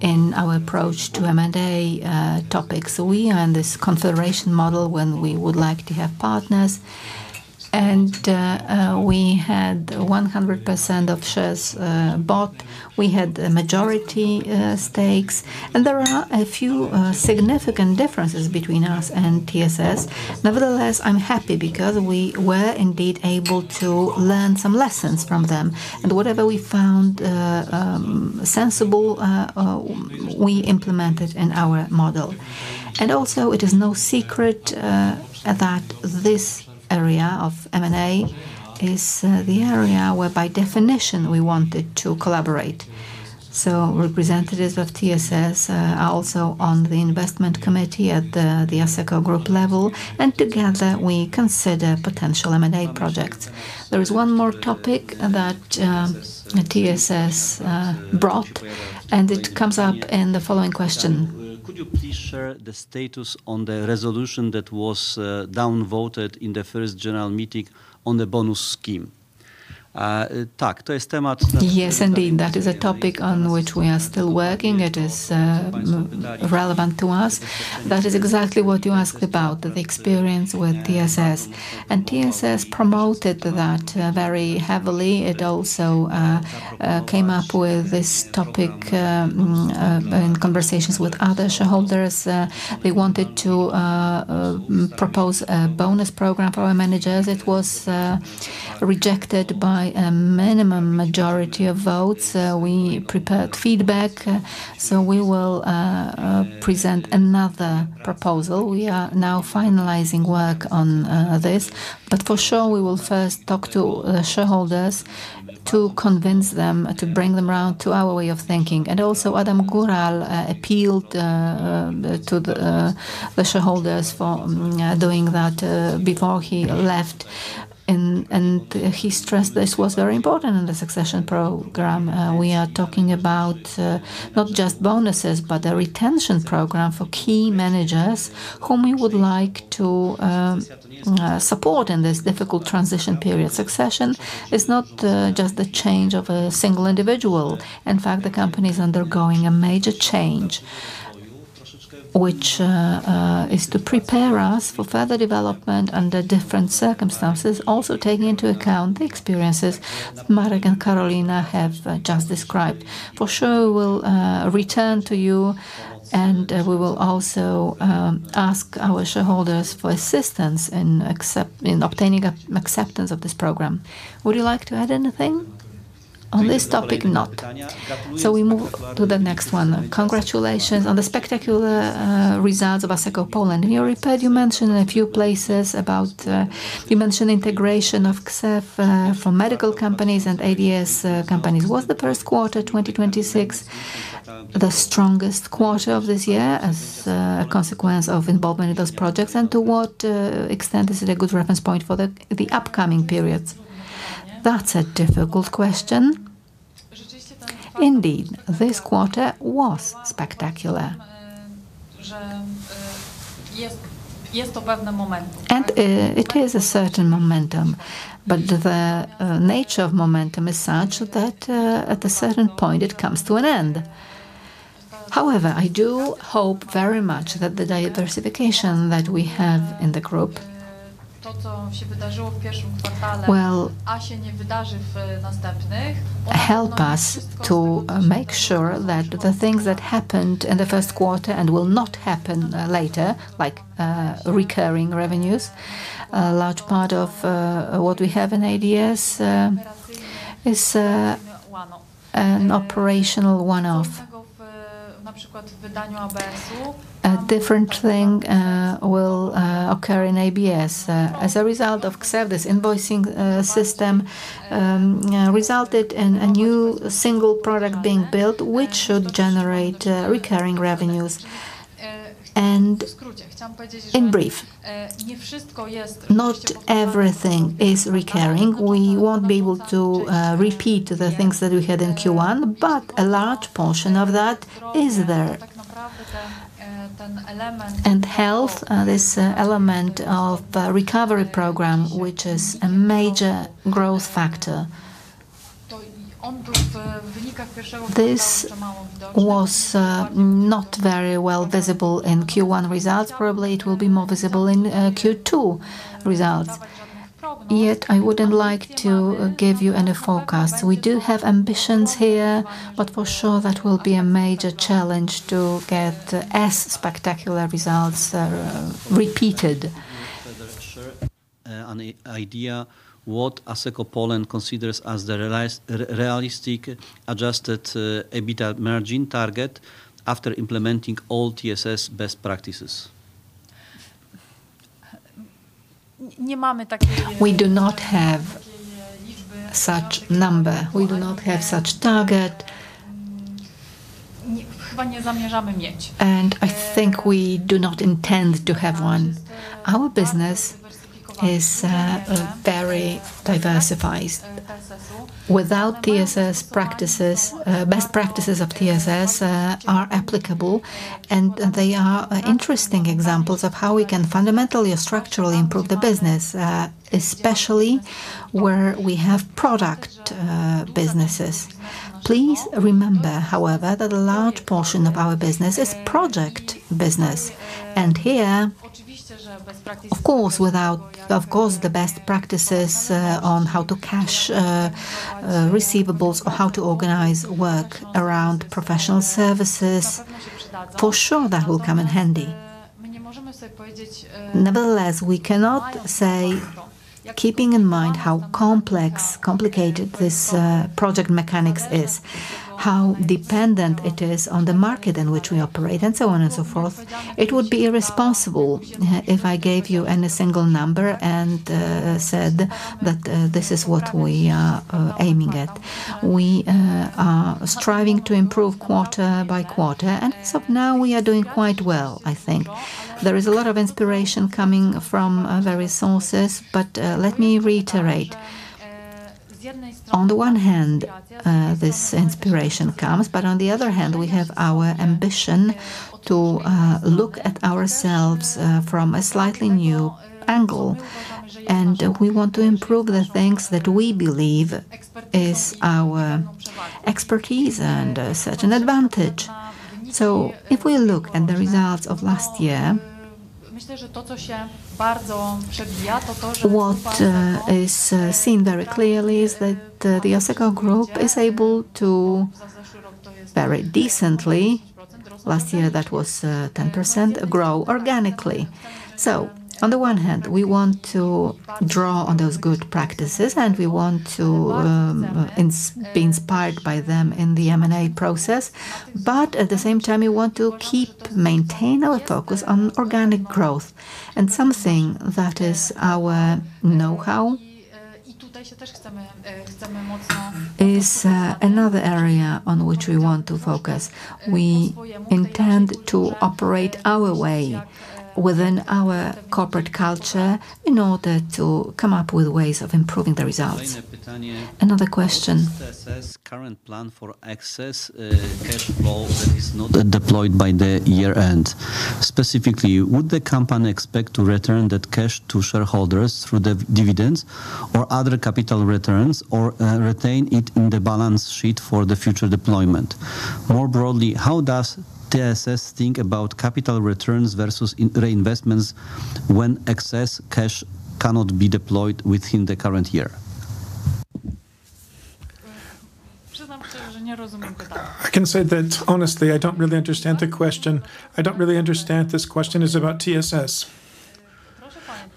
S2: in our approach to M&A topics. We are in this consideration model when we would like to have partners, and we had 100% of shares bought, we had majority stakes, and there are a few significant differences between us and TSS. I'm happy because we were indeed able to learn some lessons from them, and whatever we found sensible, we implemented in our model. Also, it is no secret that this area of M&A is the area where by definition we wanted to collaborate. Representatives of TSS are also on the investment committee at the Asseco Group level, and together we consider potential M&A projects.
S1: There is one more topic that TSS brought, and it comes up in the following question. Could you please share the status on the resolution that was down-voted in the first general meeting on the bonus scheme? Yes, indeed. That is a topic on which we are still working. It is relevant to us. That is exactly what you asked about, the experience with TSS. TSS promoted that very heavily. It also came up with this topic in conversations with other shareholders. We wanted to propose a bonus program for our managers. It was rejected by a minimum majority of votes. We prepared feedback. We will present another proposal. We are now finalizing work on this. For sure, we will first talk to shareholders to convince them, to bring them around to our way of thinking. Also, Adam Góral appealed to the shareholders for doing that before he left, and he stressed this was very important in the succession program. We are talking about not just bonuses, but a retention program for key managers whom we would like to support in this difficult transition period. Succession is not just the change of a single individual. In fact, the company is undergoing a major change, which is to prepare us for further development under different circumstances. Also, taking into account the experiences Marek and Karolina have just described. For sure, we'll return to you, and we will also ask our shareholders for assistance in obtaining acceptance of this program. Would you like to add anything on this topic?
S2: Not.
S1: We move to the next one. Congratulations on the spectacular results of Asseco Poland. In your report, you mentioned integration of KSeF for medical companies and ADS companies. Was the first quarter 2026 the strongest quarter of this year as a consequence of involvement in those projects, and to what extent is it a good reference point for the upcoming periods?
S3: That's a difficult question. Indeed, this quarter was spectacular. It is a certain momentum, but the nature of momentum is such that at a certain point it comes to an end. I do hope very much that the diversification that we have in the Group will help us to make sure that the things that happened in the first quarter and will not happen later, like recurring revenues. A large part of what we have in ADS is an operational one-off. A different thing will occur in ABS. As a result of KSeF, this invoicing system resulted in a new single product being built, which should generate recurring revenues. In brief, not everything is recurring. We won't be able to repeat the things that we had in Q1, but a large portion of that is there. Health, this element of Recovery Program, which is a major growth factor. This was not very well visible in Q1 results. Probably it will be more visible in Q2 results. I wouldn't like to give you any forecast. We do have ambitions here, but for sure that will be a major challenge to get as spectacular results repeated.
S1: Further share an idea what Asseco Poland considers as the realistic adjusted EBITDA margin target after implementing all TSS best practices.
S3: We do not have such number, we do not have such target. I think we do not intend to have one. Our business is very diversified. Without TSS practices, best practices of TSS are applicable, and they are interesting examples of how we can fundamentally or structurally improve the business, especially where we have product businesses. Please remember, however, that a large portion of our business is project business, and here, of course, the best practices on how to cash receivables or how to organize work around professional services, for sure that will come in handy. Nevertheless, we cannot say, keeping in mind how complicated this project mechanics is, how dependent it is on the market in which we operate, and so on and so forth. It would be irresponsible if I gave you any single number and said that this is what we are aiming at. We are striving to improve quarter-by-quarter, and so far we are doing quite well, I think. There is a lot of inspiration coming from various sources, but let me reiterate. On the one hand, this inspiration comes, but on the other hand, we have our ambition to look at ourselves from a slightly new angle, and we want to improve the things that we believe is our expertise and a certain advantage. If we look at the results of last year, what is seen very clearly is that the Asseco Group is able to, very decently, last year that was 10%, grow organically. On the one hand, we want to draw on those good practices and we want to be inspired by them in the M&A process, but at the same time, we want to maintain our focus on organic growth and something that is our know-how is another area on which we want to focus. We intend to operate our way within our corporate culture in order to come up with ways of improving the results.
S1: Another question. TSS current plan for excess cash flow that is not deployed by the year-end. Specifically, would the company expect to return that cash to shareholders through the dividends or other capital returns, or retain it in the balance sheet for the future deployment? More broadly, how does TSS think about capital returns versus reinvestments when excess cash cannot be deployed within the current year?
S3: I can say that, honestly, I don't really understand the question. I don't really understand this question is about TSS.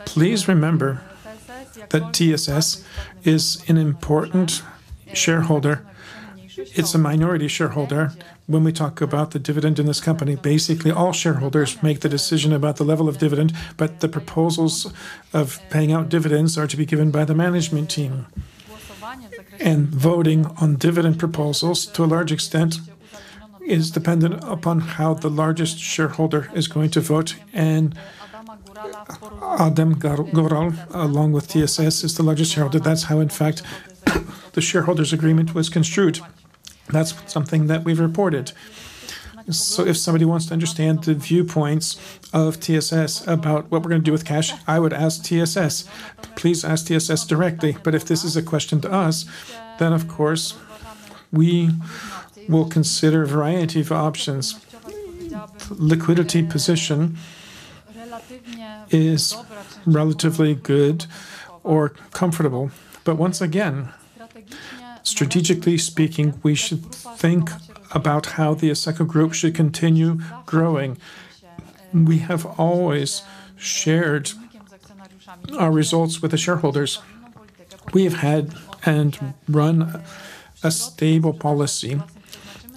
S3: Please remember that TSS is an important shareholder. It's a minority shareholder. When we talk about the dividend in this company, basically, all shareholders make the decision about the level of dividend, but the proposals of paying out dividends are to be given by the management team, and voting on dividend proposals, to a large extent, is dependent upon how the largest shareholder is going to vote, and Adam Góral, along with TSS, is the largest shareholder. That's how, in fact, the shareholders agreement was construed. That's something that we've reported. If somebody wants to understand the viewpoints of TSS about what we're going to do with cash, I would ask TSS. Please ask TSS directly. If this is a question to us, then of course, we will consider a variety of options. Liquidity position is relatively good or comfortable. Once again, strategically speaking, we should think about how the Asseco Group should continue growing. We have always shared our results with the shareholders. We've had and run a stable policy,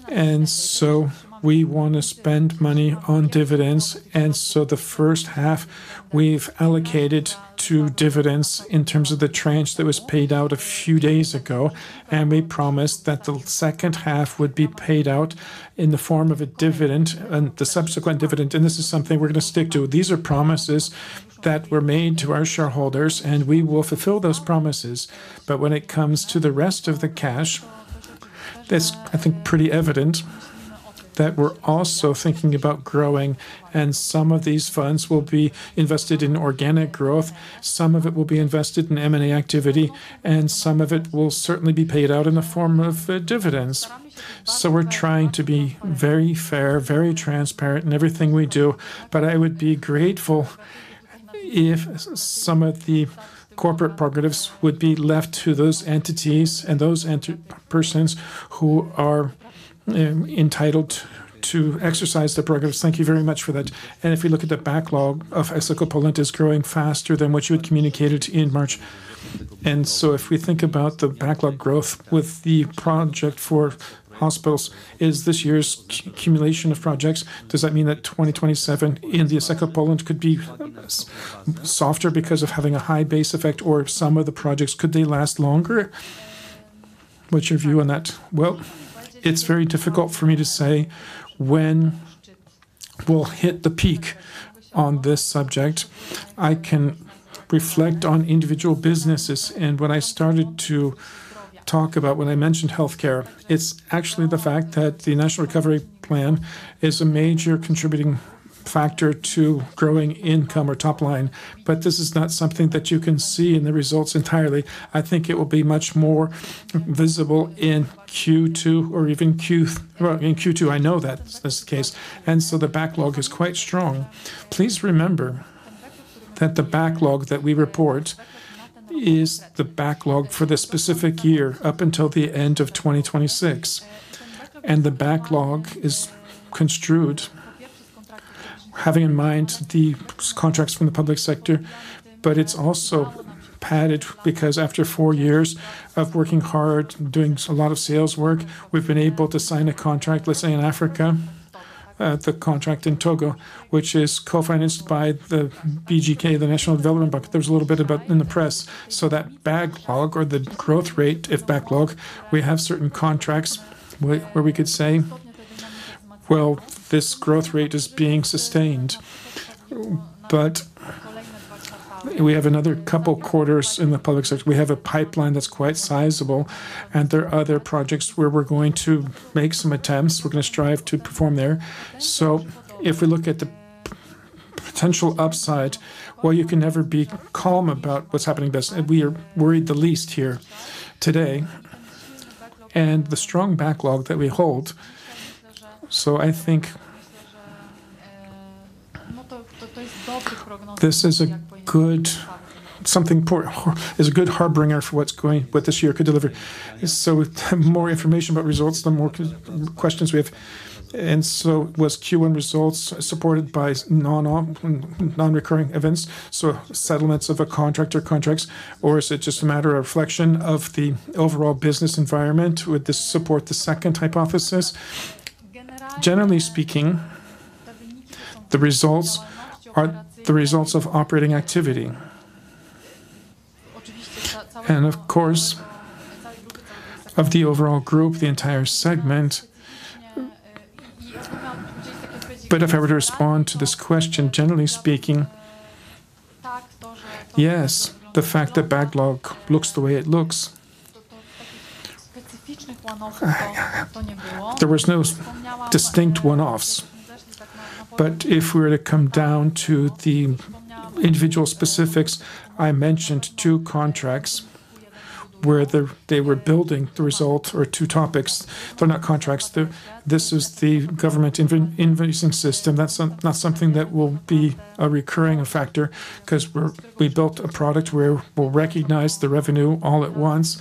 S3: and so we want to spend money on dividends. The first half we've allocated to dividends in terms of the tranche that was paid out a few days ago, and we promised that the second half would be paid out in the form of a dividend and the subsequent dividend, and this is something we're going to stick to. These are promises that were made to our shareholders, and we will fulfill those promises. When it comes to the rest of the cash, that's, I think, pretty evident that we're also thinking about growing, and some of these funds will be invested in organic growth, some of it will be invested in M&A activity, and some of it will certainly be paid out in the form of dividends. We're trying to be very fair, very transparent in everything we do. I would be grateful if some of the corporate progress would be left to those entities and those persons who are entitled to exercise the progress.
S1: Thank you very much for that. If you look at the backlog of Asseco Poland is growing faster than what you had communicated in March. If we think about the backlog growth with the project for hospitals, is this year's accumulation of projects, does that mean that 2027 in the Asseco Poland could be softer because of having a high base effect, or some of the projects, could they last longer? What's your view on that?
S3: Well, it's very difficult for me to say when we'll hit the peak on this subject. I can reflect on individual businesses, and when I started to talk about, when I mentioned healthcare, it's actually the fact that the National Recovery Plan is a major contributing factor to growing income or top line, but this is not something that you can see in the results entirely. I think it will be much more visible in Q2 or even, well, in Q2, I know that that's the case. The backlog is quite strong. Please remember that the backlog that we report is the backlog for the specific year, up until the end of 2026. The backlog is construed, having in mind the contracts from the public sector, but it's also padded because after four years of working hard, doing a lot of sales work, we've been able to sign a contract, let's say in Africa, the contract in Togo, which is co-financed by the BGK, the National Development Bank. There was a little bit about in the press. That backlog or the growth rate of backlog, we have certain contracts where we could say, well, this growth rate is being sustained, but we have another couple quarters in the public sector. We have a pipeline that's quite sizable, and there are other projects where we're going to make some attempts. We're going to strive to perform there. If we look at the potential upside, while you can never be calm about what's happening, we are worried the least here today and the strong backlog that we hold. I think this is a good harbinger for what this year could deliver.
S1: The more information about results, the more questions we have. Was Q1 results supported by non-recurring events, so settlements of a contract or contracts, or is it just a matter of reflection of the overall business environment? Would this support the second hypothesis?
S3: Generally speaking, the results are the results of operating activity and of course, of the overall group, the entire segment. If I were to respond to this question, generally speaking, yes, the fact that backlog looks the way it looks, there was no distinct one-offs. If we were to come down to the individual specifics, I mentioned two contracts where they were building the result, or two topics. They're not contracts. This is the government invoicing system. That's not something that will be a recurring factor because we built a product where we'll recognize the revenue all at once,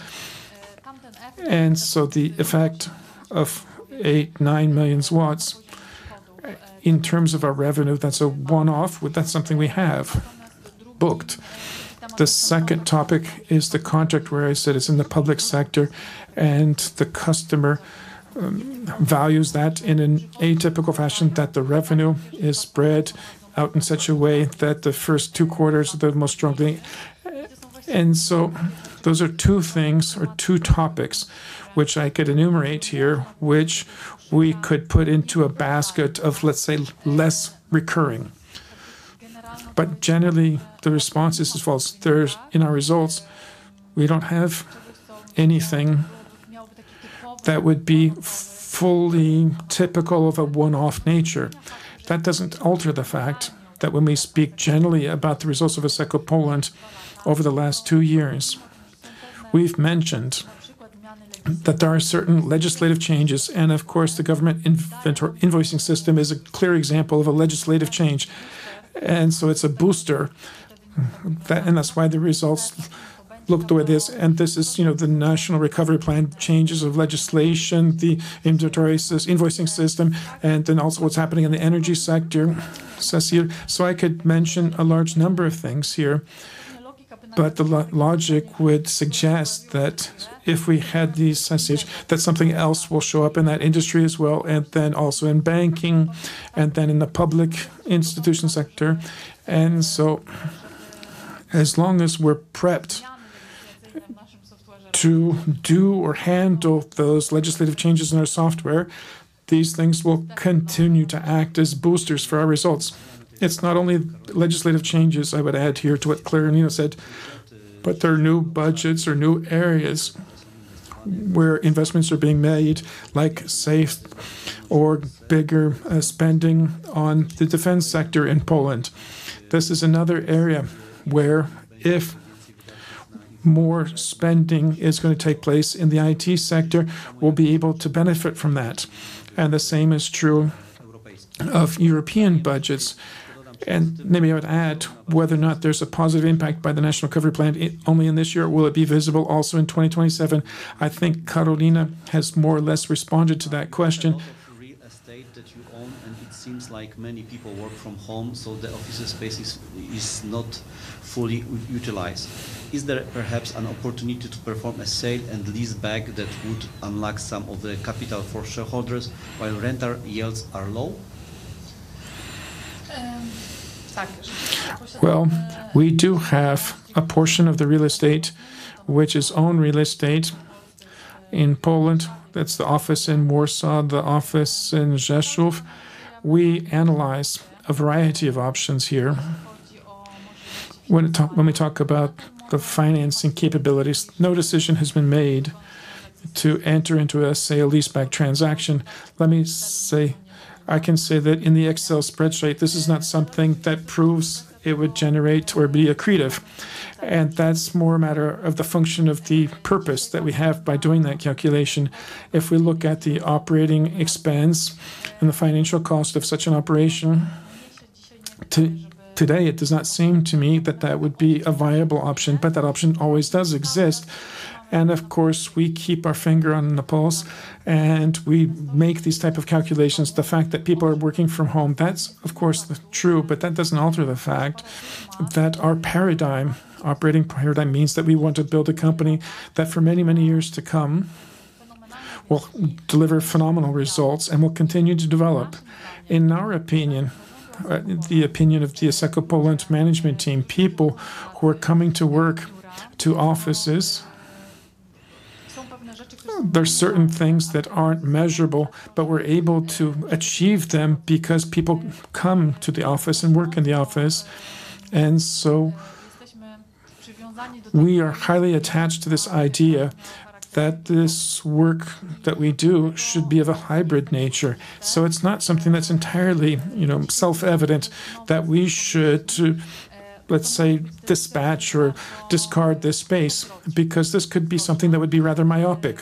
S3: the effect of 8 million-9 million in terms of our revenue, that's a one-off. That's something we have booked. The second topic is the contract where I said it's in the public sector, and the customer values that in an atypical fashion, that the revenue is spread out in such a way that the first two quarters are the most strong thing. Those are two things or two topics which I could enumerate here, which we could put into a basket of, let's say, less recurring. Generally, the response is, well, in our results, we don't have anything that would be fully typical of a one-off nature. That doesn't alter the fact that when we speak generally about the results of Asseco Poland over the last two years, we've mentioned that there are certain legislative changes, and of course, the government invoicing system is a clear example of a legislative change. So it's a booster, and that's why the results look the way it is. This is the National Recovery Plan, changes of legislation, the invoicing system, and then also what's happening in the energy sector. I could mention a large number of things here, but the logic would suggest that if we had these, that something else will show up in that industry as well, and then also in banking and then in the public institution sector. As long as we're prepped to do or handle those legislative changes in our software, these things will continue to act as boosters for our results.
S1: It's not only legislative changes, I would add here to what Karolina said, but there are new budgets or new areas where investments are being made, like KSeF or bigger spending on the defense sector in Poland. This is another area where if more spending is going to take place in the IT sector, we'll be able to benefit from that. The same is true of European budgets. Maybe I would add whether or not there's a positive impact by the National Recovery Plan only in this year. Will it be visible also in 2027? I think Karolina has more or less responded to that question. A lot of real estate that you own, and it seems like many people work from home, so the office space is not fully utilized. Is there perhaps an opportunity to perform a sale and leaseback that would unlock some of the capital for shareholders while rental yields are low?
S3: Well, we do have a portion of the real estate, which is own real estate in Poland. That's the office in Warsaw, the office in Rzeszów. We analyze a variety of options here. When we talk about the financing capabilities, no decision has been made to enter into a sale-leaseback transaction. I can say that in the Excel spreadsheet, this is not something that proves it would generate or be accretive, and that's more a matter of the function of the purpose that we have by doing that calculation. If we look at the operating expense and the financial cost of such an operation, today, it does not seem to me that that would be a viable option, but that option always does exist. Of course, we keep our finger on the pulse and we make these type of calculations. The fact that people are working from home, that's of course true, but that doesn't alter the fact that our operating paradigm means that we want to build a company that for many, many years to come, will deliver phenomenal results and will continue to develop. In our opinion, the opinion of the Asseco Poland management team, people who are coming to work to offices. There are certain things that aren't measurable, but we're able to achieve them because people come to the office and work in the office. We are highly attached to this idea that this work that we do should be of a hybrid nature. It's not something that's entirely self-evident that we should, let's say, dispatch or discard this space, because this could be something that would be rather myopic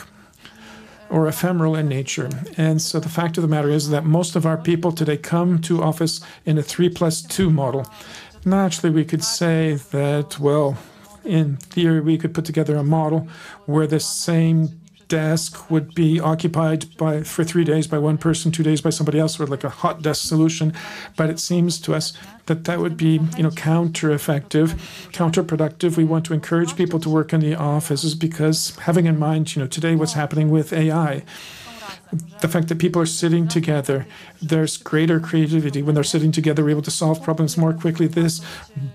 S3: or ephemeral in nature. The fact of the matter is that most of our people today come to office in a 3 + 2 model. Naturally, we could say that, well, in theory, we could put together a model where the same desk would be occupied for three days by one person, two days by somebody else, or like a hot desk solution. It seems to us that that would be countereffective, counterproductive. We want to encourage people to work in the offices because having in mind today what's happening with AI, the fact that people are sitting together, there's greater creativity. When they're sitting together, we're able to solve problems more quickly. This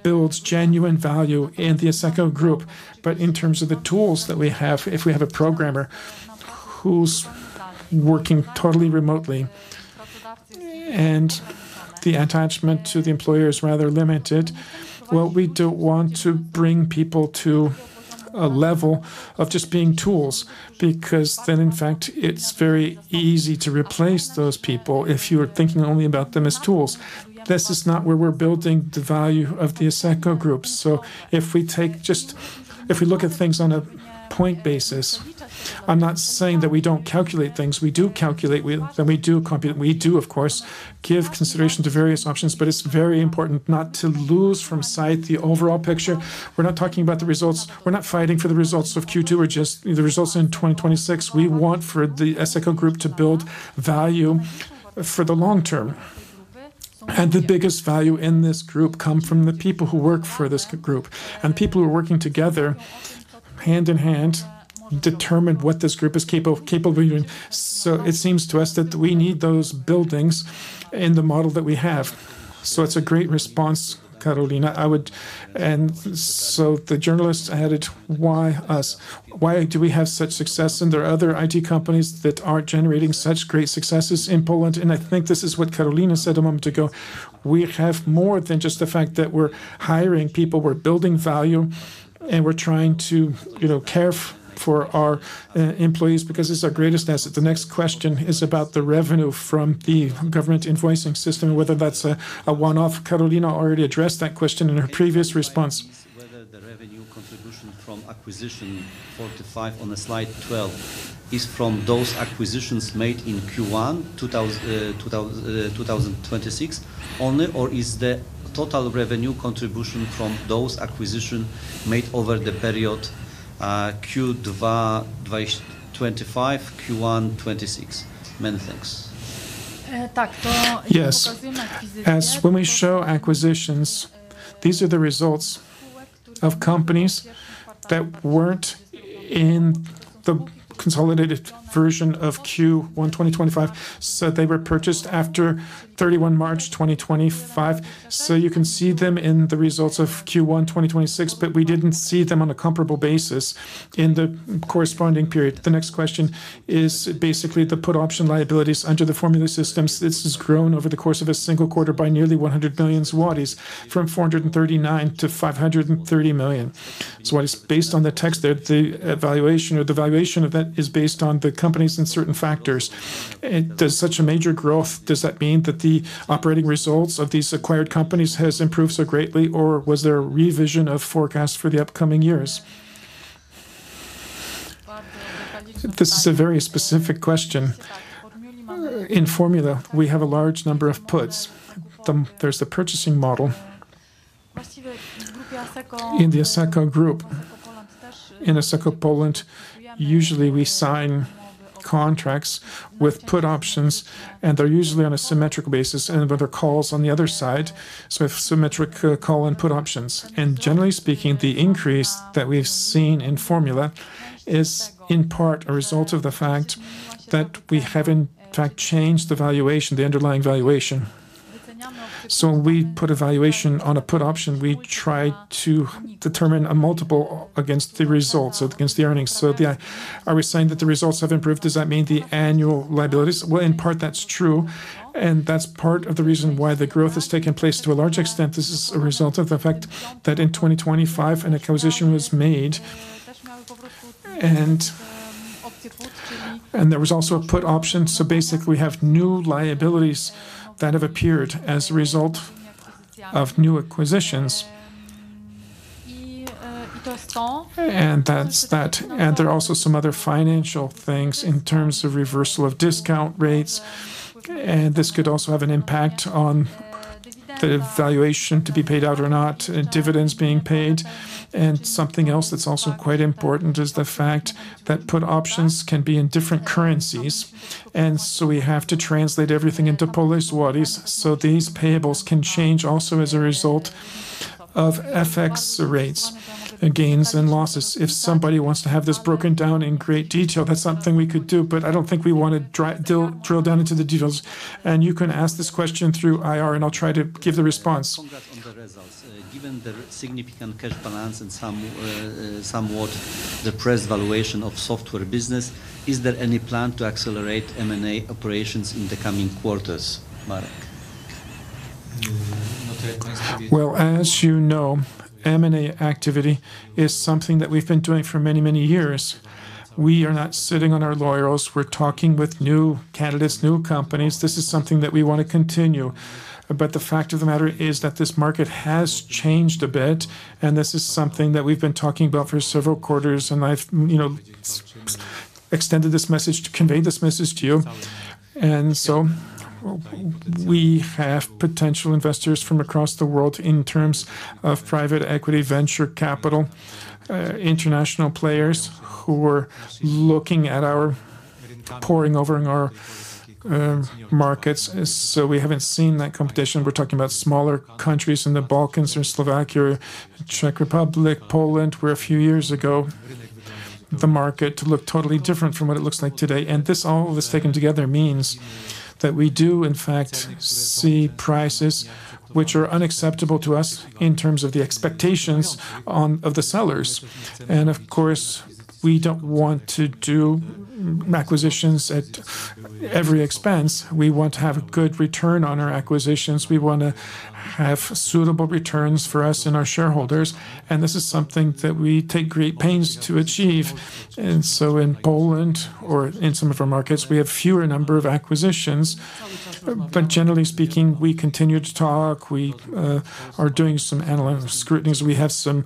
S3: builds genuine value in the Asseco Group. In terms of the tools that we have, if we have a programmer who's working totally remotely and the attachment to the employer is rather limited, well, we don't want to bring people to a level of just being tools, because then, in fact, it's very easy to replace those people if you're thinking only about them as tools. This is not where we're building the value of the Asseco Group. If we look at things on a point basis, I'm not saying that we don't calculate things. We do calculate and we do compute. We do, of course, give consideration to various options, but it's very important not to lose from sight the overall picture. We're not talking about the results. We're not fighting for the results of Q2 or just the results in 2026. We want for the Asseco Group to build value for the long term. The biggest value in this group come from the people who work for this group, and people who are working together hand in hand determine what this group is capable of doing. It seems to us that we need those buildings in the model that we have.
S1: It's a great response, Karolina. The journalists added, why us? Why do we have such success? There are other IT companies that are generating such great successes in Poland, and I think this is what Karolina said a moment ago. We have more than just the fact that we're hiring people. We're building value, and we're trying to care for our employees because it's our greatest asset. The next question is about the revenue from the government invoicing system, whether that's a one-off. Karolina already addressed that question in her previous response. Whether the revenue contribution from acquisition four to five on slide 12 is from those acquisitions made in Q1 2026 only, or is the total revenue contribution from those acquisition made over the period, Q2 2025, Q1 2026? Many thanks.
S3: Yes. As when we show acquisitions, these are the results of companies that weren't in the consolidated version of Q1 2025, they were purchased after 31 March 2025. You can see them in the results of Q1 2026, but we didn't see them on a comparable basis in the corresponding period.
S1: The next question is basically the put option liabilities under the Formula Systems. This has grown over the course of a single quarter by nearly 100 million zlotys, from 439 million to 530 million. It's based on the text that the valuation or the valuation event is based on the companies and certain factors. Does such a major growth, does that mean that the operating results of these acquired companies has improved so greatly, or was there a revision of forecast for the upcoming years?
S3: This is a very specific question. In Formula, we have a large number of puts. There's the purchasing model. In the Asseco Group, in Asseco Poland, usually we sign contracts with put options. They're usually on a symmetrical basis, and with their calls on the other side, so we have symmetric call and put options. Generally speaking, the increase that we've seen in Formula is in part a result of the fact that we have, in fact, changed the valuation, the underlying valuation. We put a valuation on a put option. We try to determine a multiple against the results, against the earnings. Are we saying that the results have improved? Does that mean the annual liabilities? Well, in part that's true, and that's part of the reason why the growth has taken place. To a large extent, this is a result of the fact that in 2025, an acquisition was made, and there was also a put option. Basically, we have new liabilities that have appeared as a result of new acquisitions. There are also some other financial things in terms of reversal of discount rates, and this could also have an impact on the valuation to be paid out or not, and dividends being paid. Something else that's also quite important is the fact that put options can be in different currencies. We have to translate everything into Polish złoty. These payables can change also as a result of FX rates, gains and losses. If somebody wants to have this broken down in great detail, that's something we could do, but I don't think we want to drill down into the details. You can ask this question through IR, and I'll try to give the response.
S1: Congrats on the results. Given the significant cash balance and somewhat the price valuation of software business. Is there any plan to accelerate M&A operations in the coming quarters, Marek?
S2: Well, as you know, M&A activity is something that we've been doing for many, many years. We are not sitting on our laurels. We're talking with new candidates, new companies. This is something that we want to continue. The fact of the matter is that this market has changed a bit, and this is something that we've been talking about for several quarters, and I've conveyed this message to you. We have potential investors from across the world in terms of private equity, venture capital, international players who are looking at, poring over our markets. We haven't seen that competition. We're talking about smaller countries in the Balkans or Slovakia, Czech Republic, Poland, where a few years ago, the market looked totally different from what it looks like today. This all of this taken together means that we do, in fact, see prices which are unacceptable to us in terms of the expectations of the sellers. Of course, we don't want to do acquisitions at every expense. We want to have good return on our acquisitions. We want to have suitable returns for us and our shareholders, and this is something that we take great pains to achieve. In Poland or in some of our markets, we have fewer number of acquisitions. Generally speaking, we continue to talk. We are doing some analytics scrutinies. We have some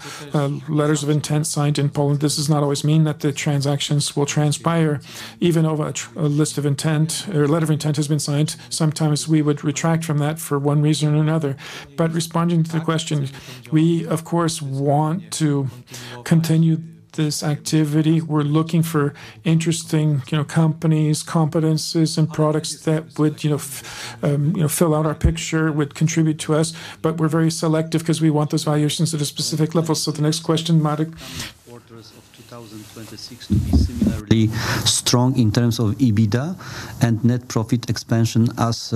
S2: letters of intent signed in Poland. This does not always mean that the transactions will transpire. Even if a letter of intent has been signed, sometimes we would retract from that for one reason or another. Responding to the question, we, of course, want to continue this activity. We're looking for interesting companies, competencies, and products that would fill out our picture, would contribute to us, but we're very selective because we want those valuations at a specific level.
S1: The next question, Marek. Coming quarters of 2026 to be similarly strong in terms of EBITDA and net profit expansion as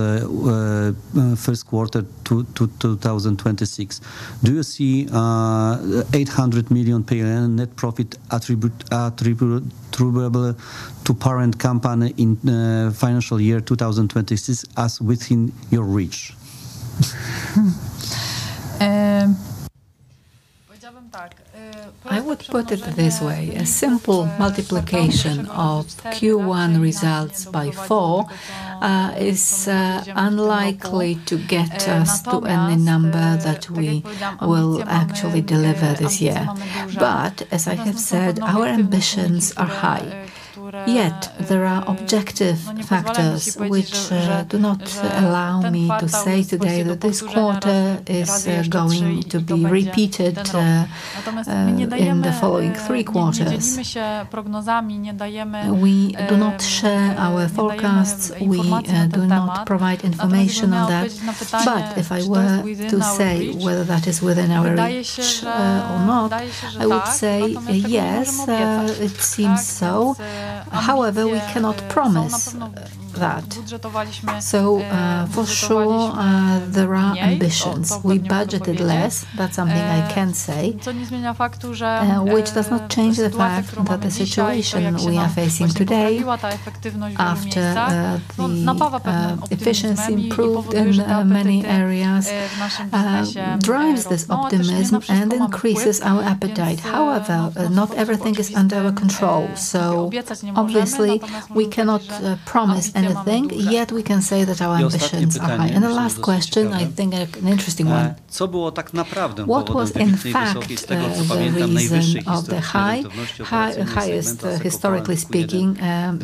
S1: first quarter 2026. Do you see 800 million PLN net profit attributable to parent company in financial year 2026 as within your reach?
S3: I would put it this way, a simple multiplication of Q1 results by four is unlikely to get us to any number that we will actually deliver this year. As I have said, our ambitions are high. There are objective factors which do not allow me to say today that this quarter is going to be repeated in the following three quarters. We do not share our forecasts. We do not provide information on that. If I were to say whether that is within our reach or not, I would say yes, it seems so. However, we cannot promise that. For sure, there are ambitions. We budgeted less. That's something I can say, which does not change the fact that the situation we are facing today, after the efficiency improved in many areas, drives this optimism and increases our appetite. However, not everything is under our control, so obviously we cannot promise anything, yet we can say that our ambitions are high.
S1: The last question, I think, an interesting one. What was in fact the reason of the highest, historically speaking, in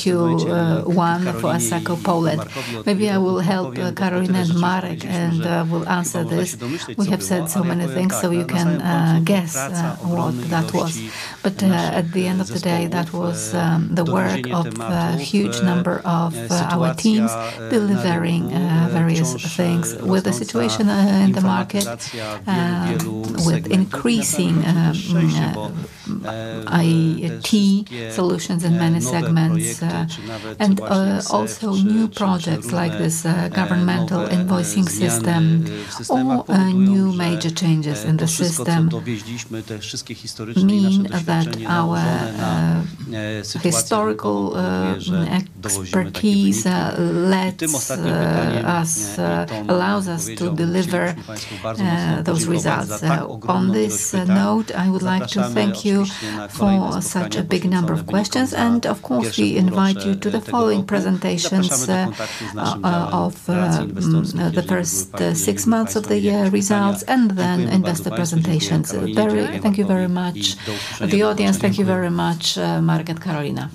S1: Q1 for Asseco Poland? Maybe I will help Karolina and Marek and will answer this. We have said so many things, so you can guess what that was. At the end of the day, that was the work of a huge number of our teams delivering various things with the situation in the market, with increasing IT solutions in many segments, and also new projects like this governmental invoicing system or new major changes in the system mean that our historical expertise allows us to deliver those results. On this note, I would like to thank you for such a big number of questions, and of course, we invite you to the following presentations of the first six months of the year results and then investor presentations. Barry, thank you very much. The audience, thank you very much. Marek and Karolina.